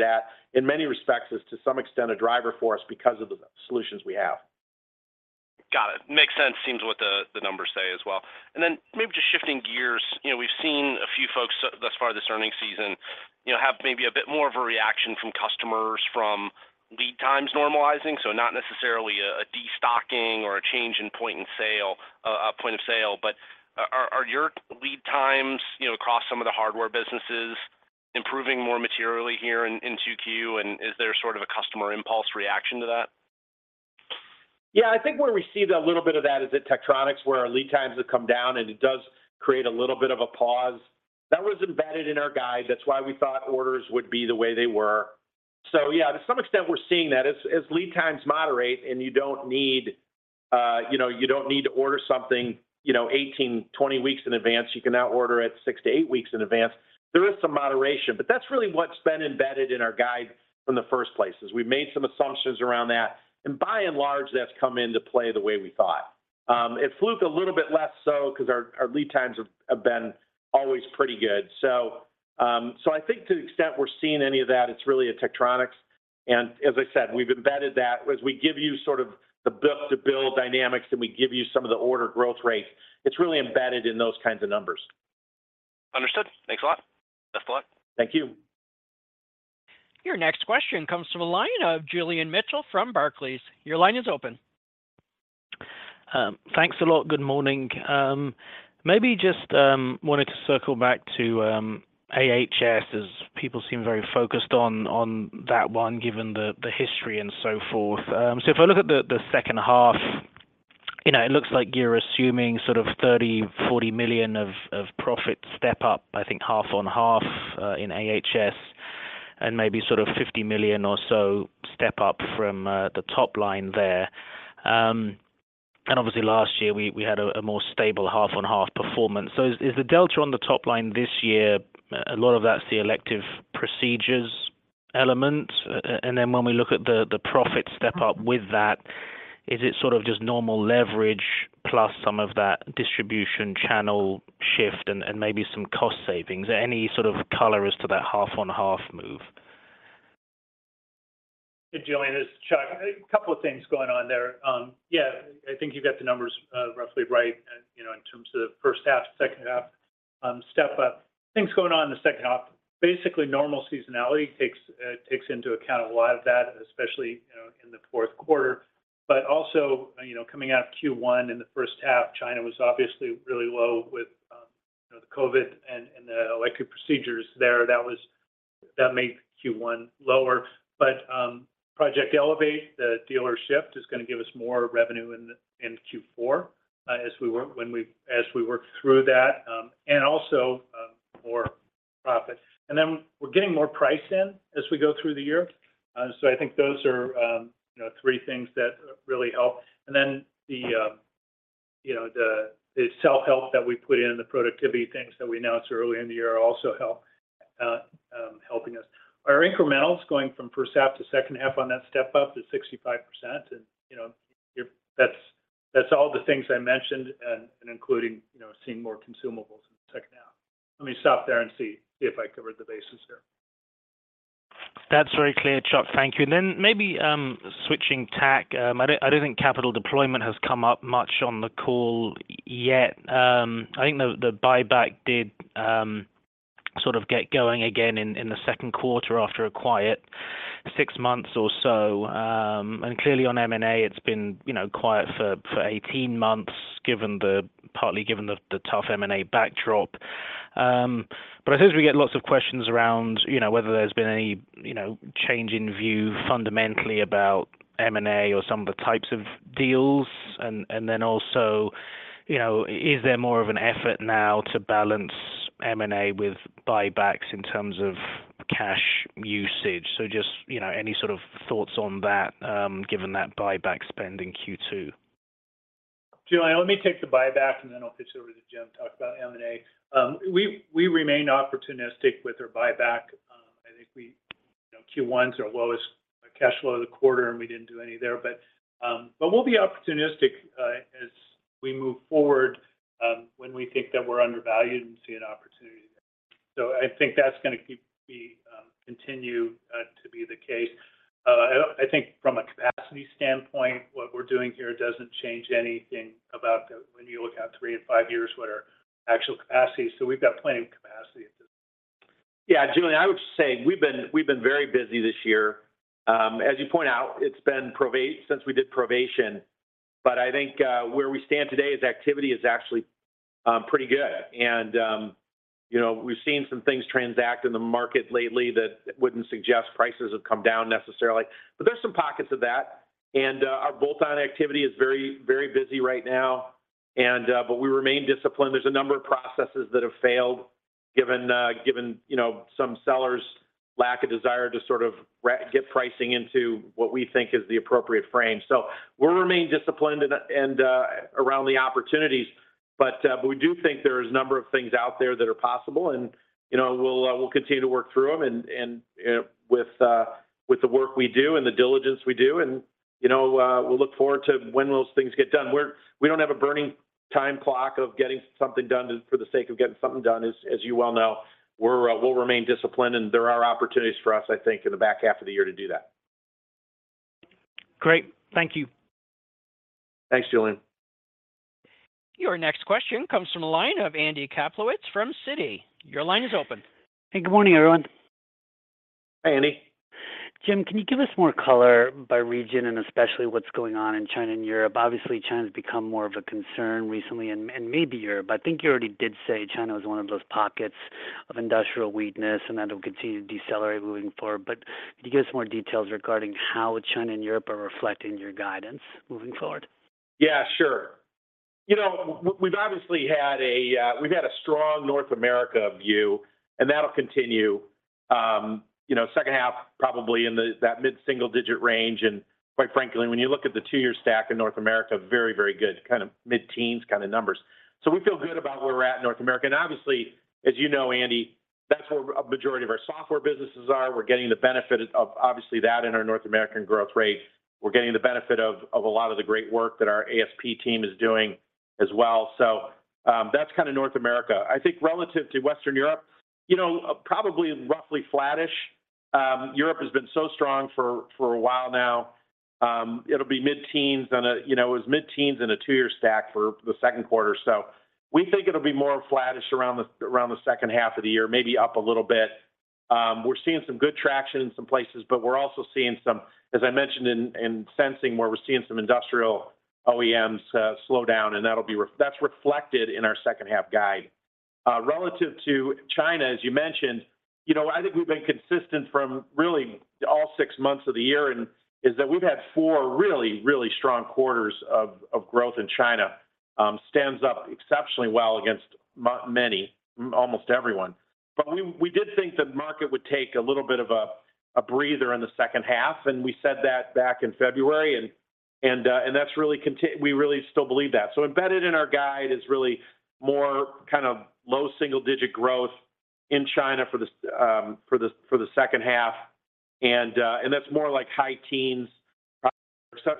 S3: at, in many respects, is to some extent, a driver for us because of the solutions we have.
S10: Got it! Makes sense, seems what the numbers say as well. Maybe just shifting gears, you know, we've seen a few folks thus far this earnings season, you know, have maybe a bit more of a reaction from customers from lead times normalizing, so not necessarily a destocking or a change in point in sale, point of sale. Are your lead times, you know, across some of the hardware businesses, improving more materially here in 2Q? And is there sort of a customer impulse reaction to that?
S3: I think where we see that, a little bit of that is at Tektronix, where our lead times have come down, and it does create a little bit of a pause. That was embedded in our guide. That's why we thought orders would be the way they were. To some extent, we're seeing that as lead times moderate, and you don't need, you know, you don't need to order something, you know, 18, 20 weeks in advance. You can now order it six to eight weeks in advance. There is some moderation, but that's really what's been embedded in our guide from the first place. We've made some assumptions around that, and by and large, that's come into play the way we thought. At Fluke, a little bit less so because our lead times have been always pretty good. I think to the extent we're seeing any of that, it's really at Tektronix, and as I said, we've embedded that. As we give you sort of the book-to-bill dynamics, we give you some of the order growth rates. It's really embedded in those kinds of numbers.
S10: Understood. Thanks a lot. Best of luck.
S3: Thank you.
S1: Your next question comes from the line of Julian Mitchell from Barclays. Your line is open.
S11: Thanks a lot. Good morning. Maybe just wanted to circle back to AHS, as people seem very focused on that one, given the history and so forth. If I look at the second half, you know, it looks like you're assuming sort of $30 million-$40 million of profits step up, I think half on half in AHS, and maybe sort of $50 million or so step up from the top line there. Obviously, last year, we had a more stable half-on-half performance. Is the delta on the top line this year, a lot of that's the elective procedures element? When we look at the profit step up with that, is it sort of just normal leverage, plus some of that distribution channel shift and maybe some cost savings? Any sort of color as to that half-on-half move?
S4: Hey, Julian, this is Chuck. A couple of things going on there. yeah, I think you've got the numbers, roughly right, and, you know, in terms of the first half, second half, step up. Things going on in the second half, basically, normal seasonality takes into account a lot of that, especially, you know, in the fourth quarter. Also, you know, coming out of Q1 in the first half, China was obviously really low with, you know, the COVID and the elective procedures there. That made Q1 lower. Project Elevate, the dealer shift, is gonna give us more revenue in Q4, as we work through that, and also, more profit. Then we're getting more price in as we go through the year. I think those are, you know, three things that really help. The, you know, the self-help that we put in, the productivity things that we announced early in the year are also help, helping us. Our incrementals going from first half to second half on that step up to 65%, you know, if that's all the things I mentioned, including, you know, seeing more consumables in the second half. Let me stop there and see if I covered the bases there.
S11: That's very clear, Chuck. Thank you. Then maybe, switching tack, I don't think capital deployment has come up much on the call yet. I think the buyback did, sort of get going again in the second quarter after a quiet six months or so. Clearly on M&A, it's been, you know, quiet for 18 months, partly given the tough M&A backdrop. But I suppose we get lots of questions around, you know, whether there's been any, you know, change in view fundamentally about M&A or some of the types of deals. Then also, you know, is there more of an effort now to balance M&A with buybacks in terms of cash usage? Just, you know, any sort of thoughts on that, given that buyback spend in Q2?
S4: Julian, let me take the buyback, and then I'll pitch it over to Jim to talk about M&A. We remain opportunistic with our buyback. I think. You know, Q1 is our lowest cash flow of the quarter, and we didn't do any there. We'll be opportunistic as we move forward when we think that we're undervalued and see an opportunity. I think that's gonna keep me continue to be the case. I think from a capacity standpoint, what we're doing here doesn't change anything about the when you look out three and five years, what are actual capacity. We've got plenty of capacity at this.
S3: Yeah, Julian, I would just say we've been very busy this year. As you point out, it's been Provation since we did Provation. I think where we stand today is activity is actually pretty good. You know, we've seen some things transact in the market lately that wouldn't suggest prices have come down necessarily, but there's some pockets of that. Our bolt-on activity is very busy right now, but we remain disciplined. There's a number of processes that have failed, given, you know, some sellers lack of desire to sort of get pricing into what we think is the appropriate frame. We'll remain disciplined and around the opportunities. We do think there is a number of things out there that are possible. You know, we'll continue to work through them. With the work we do and the diligence we do, you know, we'll look forward to when those things get done. We don't have a burning time clock of getting something done for the sake of getting something done, as you well know. We'll remain disciplined, and there are opportunities for us, I think, in the back half of the year to do that.
S11: Great. Thank you.
S3: Thanks, Julian.
S1: Your next question comes from the line of Andy Kaplowitz from Citi. Your line is open.
S12: Hey, good morning, everyone.
S3: Hi, Andy.
S12: Jim, can you give us more color by region and especially what's going on in China and Europe? Obviously, China has become more of a concern recently and maybe Europe. I think you already did say China was one of those pockets of industrial weakness and that it will continue to decelerate moving forward. Can you give us more details regarding how China and Europe are reflecting your guidance moving forward?
S3: Yeah, sure. You know, we've obviously had a, we've had a strong North America view, that'll continue, you know, second half, probably in the, that mid-single digit range. Quite frankly, when you look at the two-year stack in North America, very, very good, kind of mid-teens kinda numbers. We feel good about where we're at in North America. Obviously, as you know, Andy, that's where a majority of our software businesses are. We're getting the benefit of obviously that in our North American growth rate. We're getting the benefit of a lot of the great work that our ASP team is doing as well. That's kind of North America. I think relative to Western Europe, you know, probably roughly flattish. Europe has been so strong for a while now. It'll be mid-teens, and, you know, it was mid-teens in a 2-year stack for the 2Q. We think it'll be more flattish around the 2H of the year, maybe up a little bit. We're seeing some good traction in some places, but we're also seeing some, as I mentioned, in sensing, where we're seeing some industrial OEMs, slow down, and that's reflected in our 2H guide. Relative to China, as you mentioned, you know, I think we've been consistent from really all six months of the year, and is that we've had four really, really strong quarters of growth in China. Stands up exceptionally well against many, almost everyone. We did think the market would take a little bit of a breather in the second half, and we said that back in February, and that's really We really still believe that. Embedded in our guide is really more kind of low double-digit growth in China for the second half. And that's more like high teens-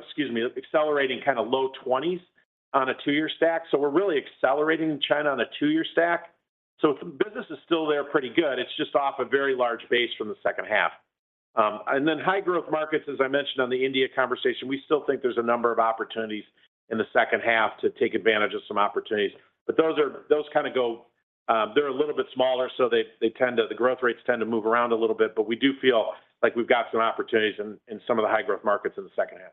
S3: excuse me, accelerating kind of low twenties on a two-year stack. We're really accelerating China on a two-year stack. Business is still there pretty good. It's just off a very large base from the second half. And then high-growth markets, as I mentioned on the India conversation, we still think there's a number of opportunities in the second half to take advantage of some opportunities. Those kind of go, they're a little bit smaller, so they tend to the growth rates tend to move around a little bit. We do feel like we've got some opportunities in some of the high-growth markets in the second half.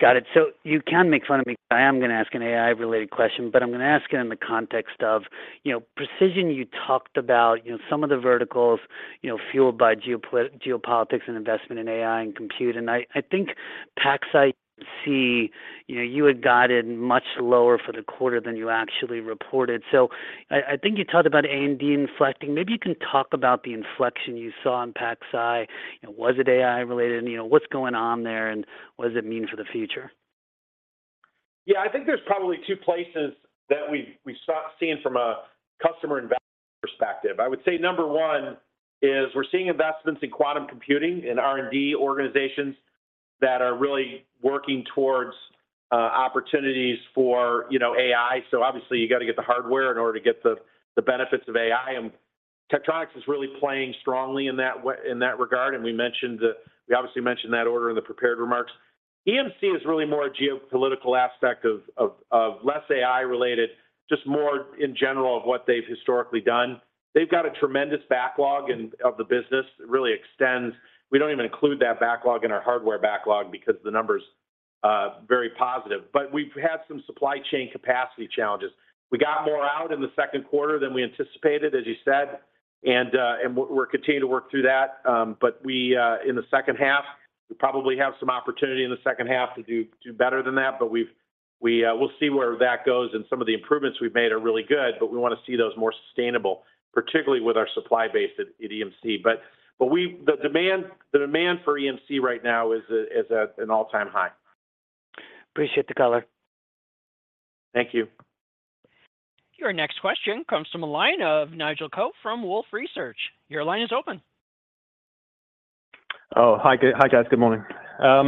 S12: Got it. You can make fun of me, I am gonna ask an AI-related question, but I'm gonna ask it in the context of, you know, precision you talked about, you know, some of the verticals, you know, fueled by geopolitics and investment in AI and compute. I think PacSci, you know, you had guided much lower for the quarter than you actually reported. I think you talked about A&D inflecting. Maybe you can talk about the inflection you saw in PacSci. Was it AI-related? You know, what's going on there, and what does it mean for the future?
S3: I think there's probably two places that we've start seeing from a customer investment perspective. I would say number one is we're seeing investments in quantum computing, in R&D organizations that are really working towards opportunities for, you know, AI. Obviously, you got to get the hardware in order to get the benefits of AI, and Tektronix is really playing strongly in that regard, and we obviously mentioned that order in the prepared remarks. EMC is really more a geopolitical aspect of less AI-related, just more in general of what they've historically done. They've got a tremendous backlog and of the business. It really extends. We don't even include that backlog in our hardware backlog because the number's very positive. We've had some supply chain capacity challenges. We got more out in the second quarter than we anticipated, as you said, and we're continuing to work through that. We in the second half, we probably have some opportunity in the second half to do better than that, but we'll see where that goes. Some of the improvements we've made are really good, but we want to see those more sustainable, particularly with our supply base at EMC. We the demand for EMC right now is at an all-time high.
S12: Appreciate the color.
S3: Thank you.
S1: Your next question comes from the line of Nigel Coe from Wolfe Research. Your line is open.
S13: Oh, hi, guys. Good morning.
S3: Hi,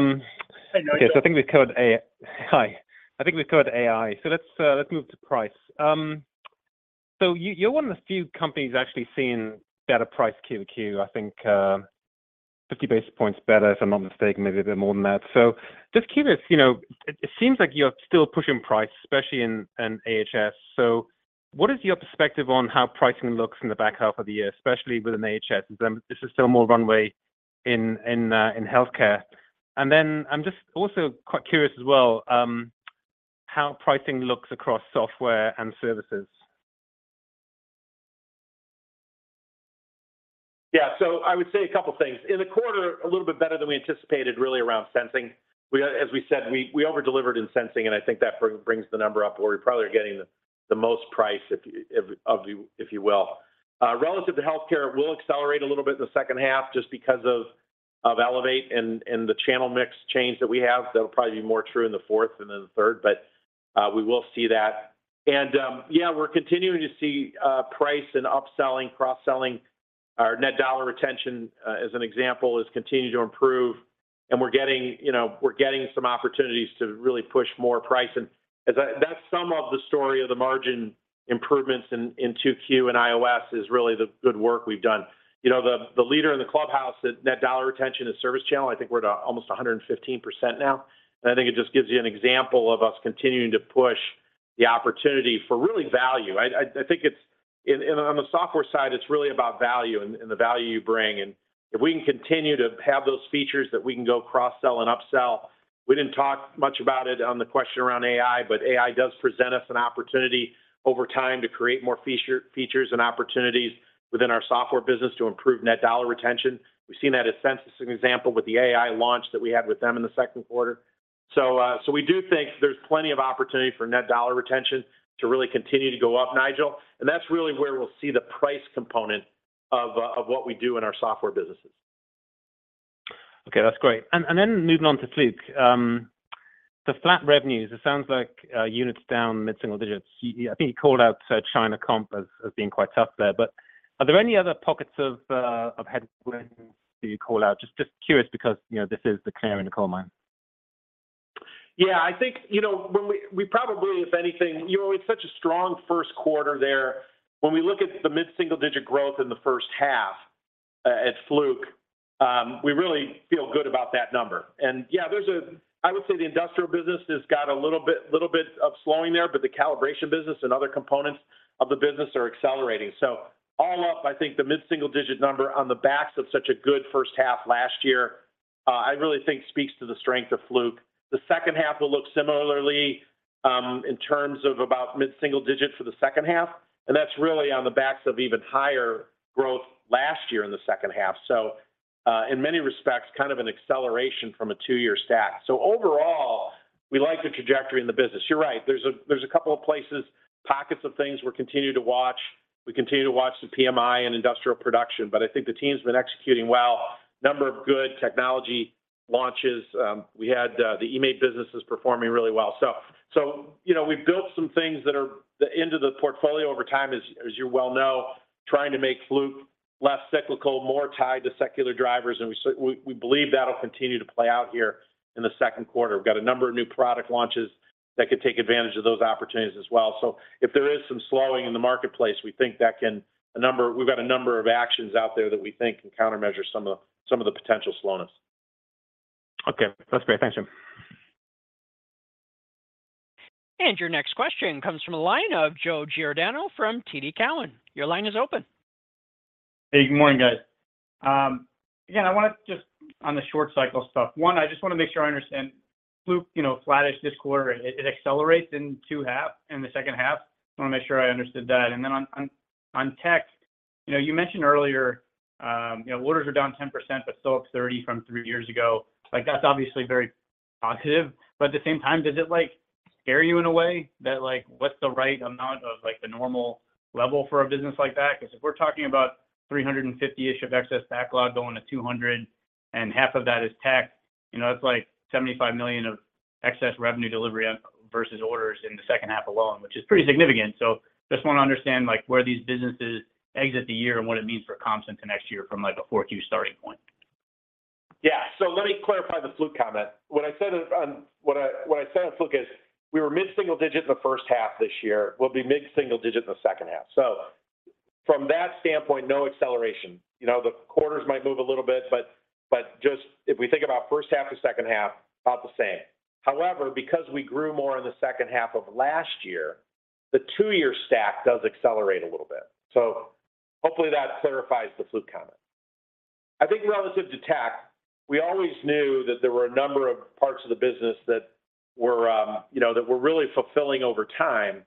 S3: Nigel.
S13: Okay, Hi. I think we've covered AI, let's move to price. You're one of the few companies actually seeing better price Q-over-Q. I think 50 basis points better, if I'm not mistaken, maybe a bit more than that. Just curious, you know, it seems like you're still pushing price, especially in AHS. What is your perspective on how pricing looks in the back half of the year, especially within AHS? Is there still more runway in healthcare? I'm just also quite curious as well, how pricing looks across software and services.
S3: I would say a couple of things. In the quarter, a little bit better than we anticipated, really around Sensing. We, as we said, we over-delivered in Sensing, and I think that brings the number up where we probably are getting the most price, if you will. Relative to healthcare, we'll accelerate a little bit in the second half just because of Elevate and the channel mix change that we have. That'll probably be more true in the fourth and then the third, but we will see that. We're continuing to see price and upselling, cross-selling. Our net dollar retention, as an example, is continuing to improve, and we're getting, you know, we're getting some opportunities to really push more price. That's some of the story of the margin improvements in 2Q and IOS is really the good work we've done. You know, the leader in the clubhouse, that dollar retention and ServiceChannel, I think we're at almost 115% now, and I think it just gives you an example of us continuing to push the opportunity for really value. I think it's, and on the software side, it's really about value and the value you bring. If we can continue to have those features that we can go cross-sell and upsell, we didn't talk much about it on the question around AI, but AI does present us an opportunity over time to create more features and opportunities within our software business to improve net dollar retention. We've seen that at Censis, an example with the AI launch that we had with them in the second quarter. We do think there's plenty of opportunity for net dollar retention to really continue to go up, Nigel, and that's really where we'll see the price component of what we do in our software businesses.
S13: Okay, that's great. Then moving on to Fluke. The flat revenues, it sounds like, units down mid-single digits. I think you called out China comp as being quite tough there. Are there any other pockets of headwind you call out? Just curious, because you know, this is the canary in the coal mine.
S3: Yeah, I think, you know, when we probably, if anything, you know, it's such a strong first quarter there. When we look at the mid-single digit growth in the first half at Fluke, we really feel good about that number. Yeah, there's I would say the industrial business has got a little bit of slowing there, but the calibration business and other components of the business are accelerating. All up, I think the mid-single digit number on the backs of such a good first half last year, I really think speaks to the strength of Fluke. The second half will look similarly in terms of about mid-single digit for the second half, and that's really on the backs of even higher growth last year in the second half. In many respects, kind of an acceleration from a two-year stack. Overall, we like the trajectory in the business. You're right, there's a couple of places, pockets of things we continue to watch. We continue to watch the PMI and industrial production, but I think the team's been executing well. Number of good technology launches. We had the eMaint business is performing really well. You know, we've built some things that are the end of the portfolio over time, as you well know, trying to make Fluke less cyclical, more tied to secular drivers, and we believe that'll continue to play out here in the second quarter. We've got a number of new product launches that could take advantage of those opportunities as well. If there is some slowing in the marketplace, we think that we've got a number of actions out there that we think can countermeasure some of the potential slowness.
S13: That's great. Thanks, Jim.
S1: Your next question comes from the line of Joe Giordano from TD Cowen. Your line is open.
S14: Hey, good morning, guys. Again, I want to just on the short cycle stuff. I just want to make sure I understand, Fluke, you know, flattish this quarter, it accelerates in two half, in the second half. I want to make sure I understood that. On Tektronix, you know, you mentioned earlier, you know, orders are down 10%, but still up 30 from three years ago. Like, that's obviously very positive, but at the same time, does it like scare you in a way? That like, what's the right amount of like the normal level for a business like that? Because if we're talking about 350-ish of excess backlog going to 200, and half of that is Tektronix, you know, that's like $75 million of excess revenue delivery versus orders in the second half alone, which is pretty significant. Just wanna understand, like, where these businesses exit the year and what it means for comps into next year from, like, a 4Q starting point.
S3: Yeah. Let me clarify the Fluke comment. What I said on Fluke is, we were mid-single-digit in the first half this year. We'll be mid-single-digit in the second half. From that standpoint, no acceleration. You know, the quarters might move a little bit, but just if we think about first half to second half, about the same. However, because we grew more in the second half of last year, the two-year stack does accelerate a little bit. Hopefully that clarifies the Fluke comment. I think relative to tech, we always knew that there were a number of parts of the business that were, you know, that were really fulfilling over time,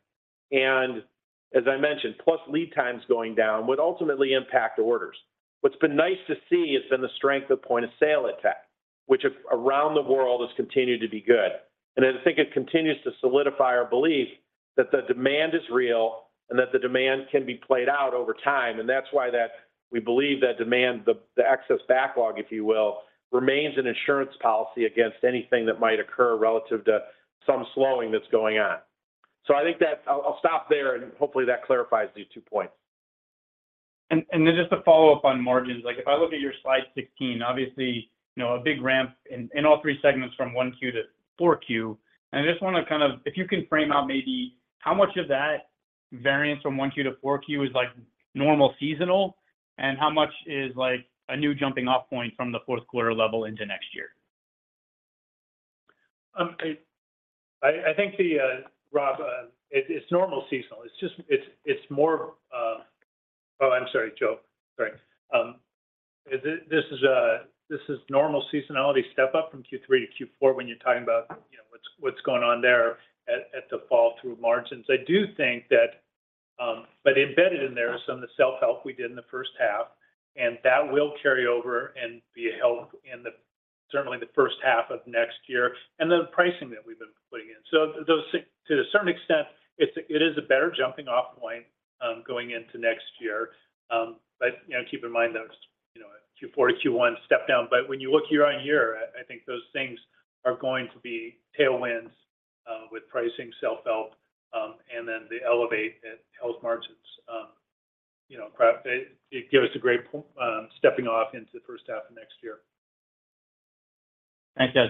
S3: as I mentioned, plus lead times going down, would ultimately impact orders. What's been nice to see has been the strength of Point-of-sale at tech, which around the world, has continued to be good. I think it continues to solidify our belief that the demand is real and that the demand can be played out over time. That's why that we believe that demand, the excess backlog, if you will, remains an insurance policy against anything that might occur relative to some slowing that's going on. I think that. I'll stop there, and hopefully, that clarifies these two points.
S14: Then just a follow-up on margins. Like, if I look at your slide 16, obviously, you know, a big ramp in all three segments from 1Q to 4Q. I just wanna kind of, if you can frame out maybe how much of that variance from 1Q to 4Q is like normal seasonal, and how much is like a new jumping off point from the fourth quarter level into next year?
S4: I think the Rob, it's normal seasonal. I'm sorry, Joe. Sorry. This is normal seasonality step up from Q3 to Q4 when you're talking about, you know, what's going on there at the fall through margins. I do think that, embedded in there is some of the self-help we did in the first half, and that will carry over and be a help certainly the first half of next year, and the pricing that we've been putting in. Those to a certain extent, it is a better jumping off point going into next year. You know, keep in mind, that was, you know, Q4 to Q1, step down. When you look year-on-year, I think those things are going to be tailwinds, with pricing, self-help, and then the Elevate helps margins. You know, it gives a great stepping off into the first half of next year.
S14: Thanks, guys.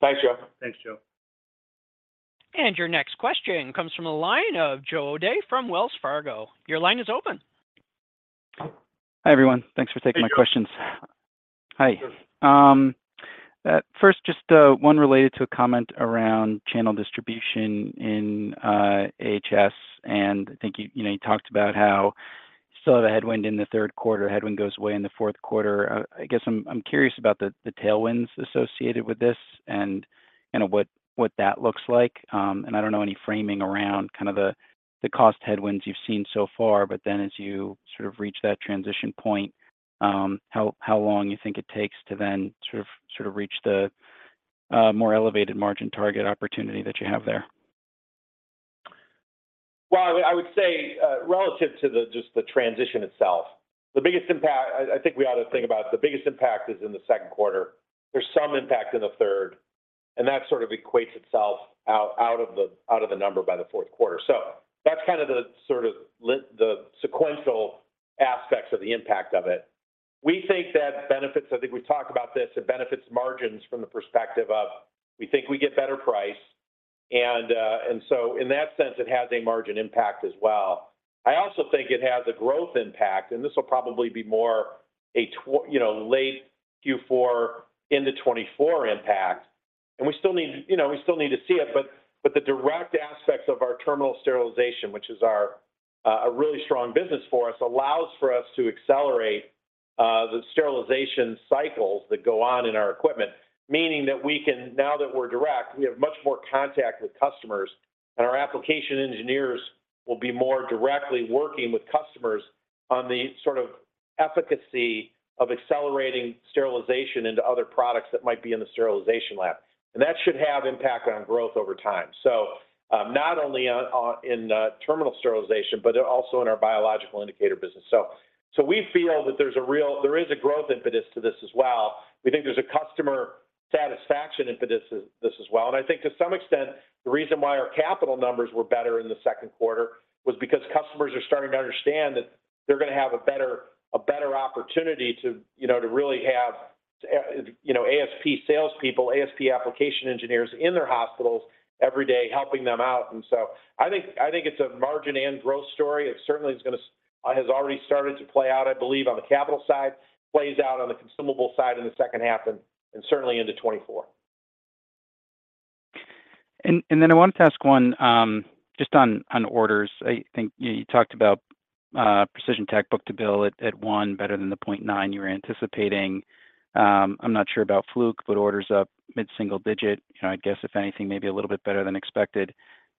S3: Thanks, Joe.
S4: Thanks, Joe.
S1: Your next question comes from the line of Joe O'Dea from Wells Fargo. Your line is open.
S15: Hi, everyone. Thanks for taking my questions.
S3: Hey, Joe.
S15: Hi.
S3: Yes.
S15: First, just one related to a comment around channel distribution in ASP. I think you know, you talked about how you saw the headwind in the third quarter, headwind goes away in the fourth quarter. I guess I'm curious about the tailwinds associated with this, and, you know, what that looks like. I don't know any framing around kind of the cost headwinds you've seen so far, but then as you sort of reach that transition point, how long you think it takes to then sort of reach the more elevated margin target opportunity that you have there?
S3: Well, I would say, relative to the transition itself. I think we ought to think about the biggest impact is in the second quarter, there's some impact in the third, and that sort of equates itself out of the number by the fourth quarter. That's kind of the sort of the sequential aspects of the impact of it. We think that benefits, I think we've talked about this, it benefits margins from the perspective of we think we get better price. In that sense, it has a margin impact as well. I also think it has a growth impact, and this will probably be more a you know, late Q4 into 2024 impact. We still need, you know, we still need to see it, but the direct aspects of our terminal sterilization, which is our a really strong business for us, allows for us to accelerate the sterilization cycles that go on in our equipment, meaning that now that we're direct, we have much more contact with customers, and our application engineers will be more directly working with customers on the sort of efficacy of accelerating sterilization into other products that might be in the sterilization lab. That should have impact on growth over time. Not only on in terminal sterilization, but also in our biological indicator business. We feel that there is a growth impetus to this as well. We think there's a customer satisfaction for this as well. I think to some extent, the reason why our capital numbers were better in the second quarter was because customers are starting to understand that they're gonna have a better opportunity to, you know, to really have, you know, ASP salespeople, ASP application engineers in their hospitals every day helping them out. I think it's a margin and growth story. It certainly has already started to play out, I believe, on the capital side, plays out on the consumable side in the second half and certainly into 2024.
S15: Then I wanted to ask one, just on orders. I think you talked about Precision Tech book to bill at 1 better than the 0.9 you were anticipating. I'm not sure about Fluke, but orders up mid-single digit. You know, I guess, if anything, maybe a little bit better than expected.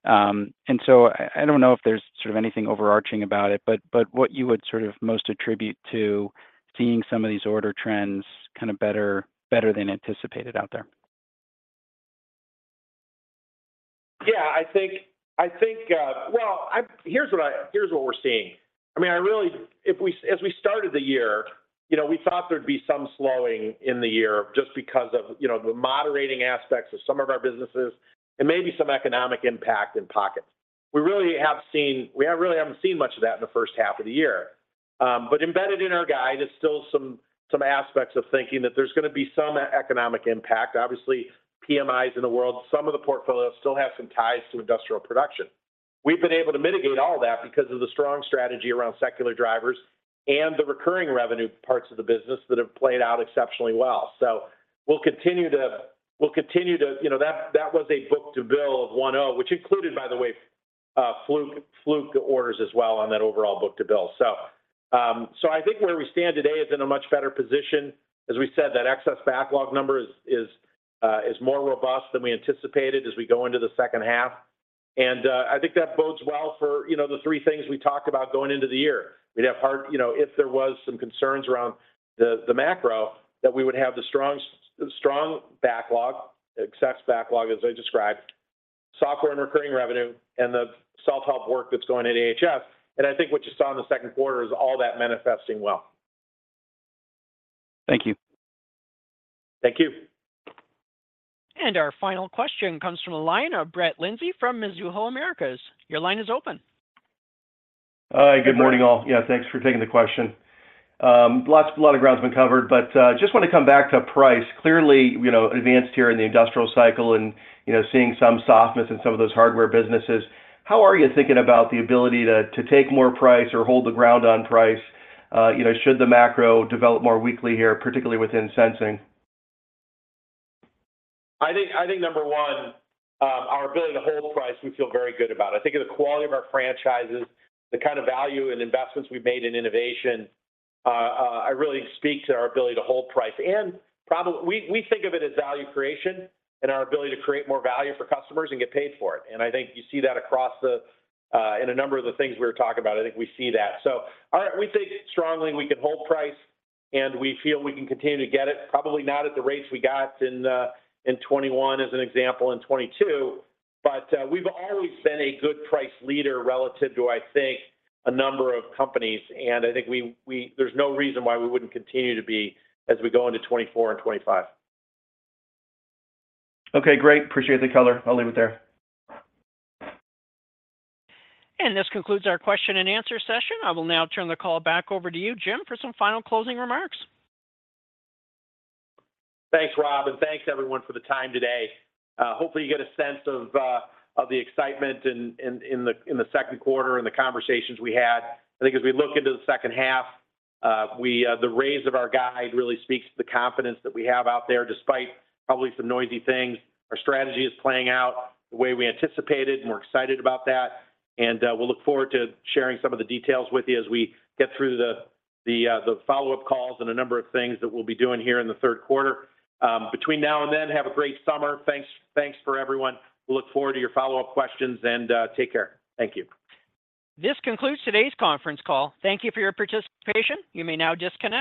S15: So I don't know if there's sort of anything overarching about it, but what you would sort of most attribute to seeing some of these order trends kind of better than anticipated out there?
S3: I think, Well, here's what we're seeing. I mean, as we started the year, you know, we thought there'd be some slowing in the year just because of, you know, the moderating aspects of some of our businesses and maybe some economic impact in pockets. We really haven't seen much of that in the first half of the year. Embedded in our guide is still some aspects of thinking that there's gonna be some economic impact. Obviously, PMIs in the world, some of the portfolios still have some ties to industrial production. We've been able to mitigate all that because of the strong strategy around secular drivers and the recurring revenue parts of the business that have played out exceptionally well. You know, that was a book to bill of 1.0, which included, by the way, Fluke orders as well on that overall book to bill. I think where we stand today is in a much better position. As we said, that excess backlog number is more robust than we anticipated as we go into the second half. I think that bodes well for, you know, the three things we talked about going into the year. You know, if there was some concerns around the macro, that we would have the strong backlog, excess backlog, as I described, software and recurring revenue, and the self-help work that's going at AHS. I think what you saw in the second quarter is all that manifesting well.
S15: Thank you.
S3: Thank you.
S1: Our final question comes from the line of Brett Linzey from Mizuho Americas. Your line is open.
S16: Hi, good morning, all. Yeah, thanks for taking the question. A lot of ground has been covered. Just want to come back to price. Clearly, you know, advanced here in the industrial cycle and, you know, seeing some softness in some of those hardware businesses, how are you thinking about the ability to take more price or hold the ground on price, you know, should the macro develop more weakly here, particularly within sensing?
S3: I think, number one, our ability to hold price, we feel very good about. I think of the quality of our franchises, the kind of value and investments we've made in innovation, I really speak to our ability to hold price. We think of it as value creation and our ability to create more value for customers and get paid for it. I think you see that across the, in a number of the things we were talking about. I think we see that. All right, we think strongly we can hold price, and we feel we can continue to get it. Probably not at the rates we got in 2021, as an example, in 2022, but we've always been a good price leader relative to, I think, a number of companies. I think we there's no reason why we wouldn't continue to be as we go into 2024 and 2025.
S16: Okay, great. Appreciate the color. I'll leave it there.
S1: This concludes our question and answer session. I will now turn the call back over to you, Jim, for some final closing remarks.
S3: Thanks, Rob, thanks everyone for the time today. Hopefully, you get a sense of the excitement in the second quarter and the conversations we had. I think as we look into the second half, we, the raise of our guide really speaks to the confidence that we have out there, despite probably some noisy things. Our strategy is playing out the way we anticipated, we're excited about that. We'll look forward to sharing some of the details with you as we get through the follow-up calls and a number of things that we'll be doing here in the third quarter. Between now and then, have a great summer. Thanks for everyone. We look forward to your follow-up questions, take care. Thank you.
S1: This concludes today's conference call. Thank you for your participation. You may now disconnect.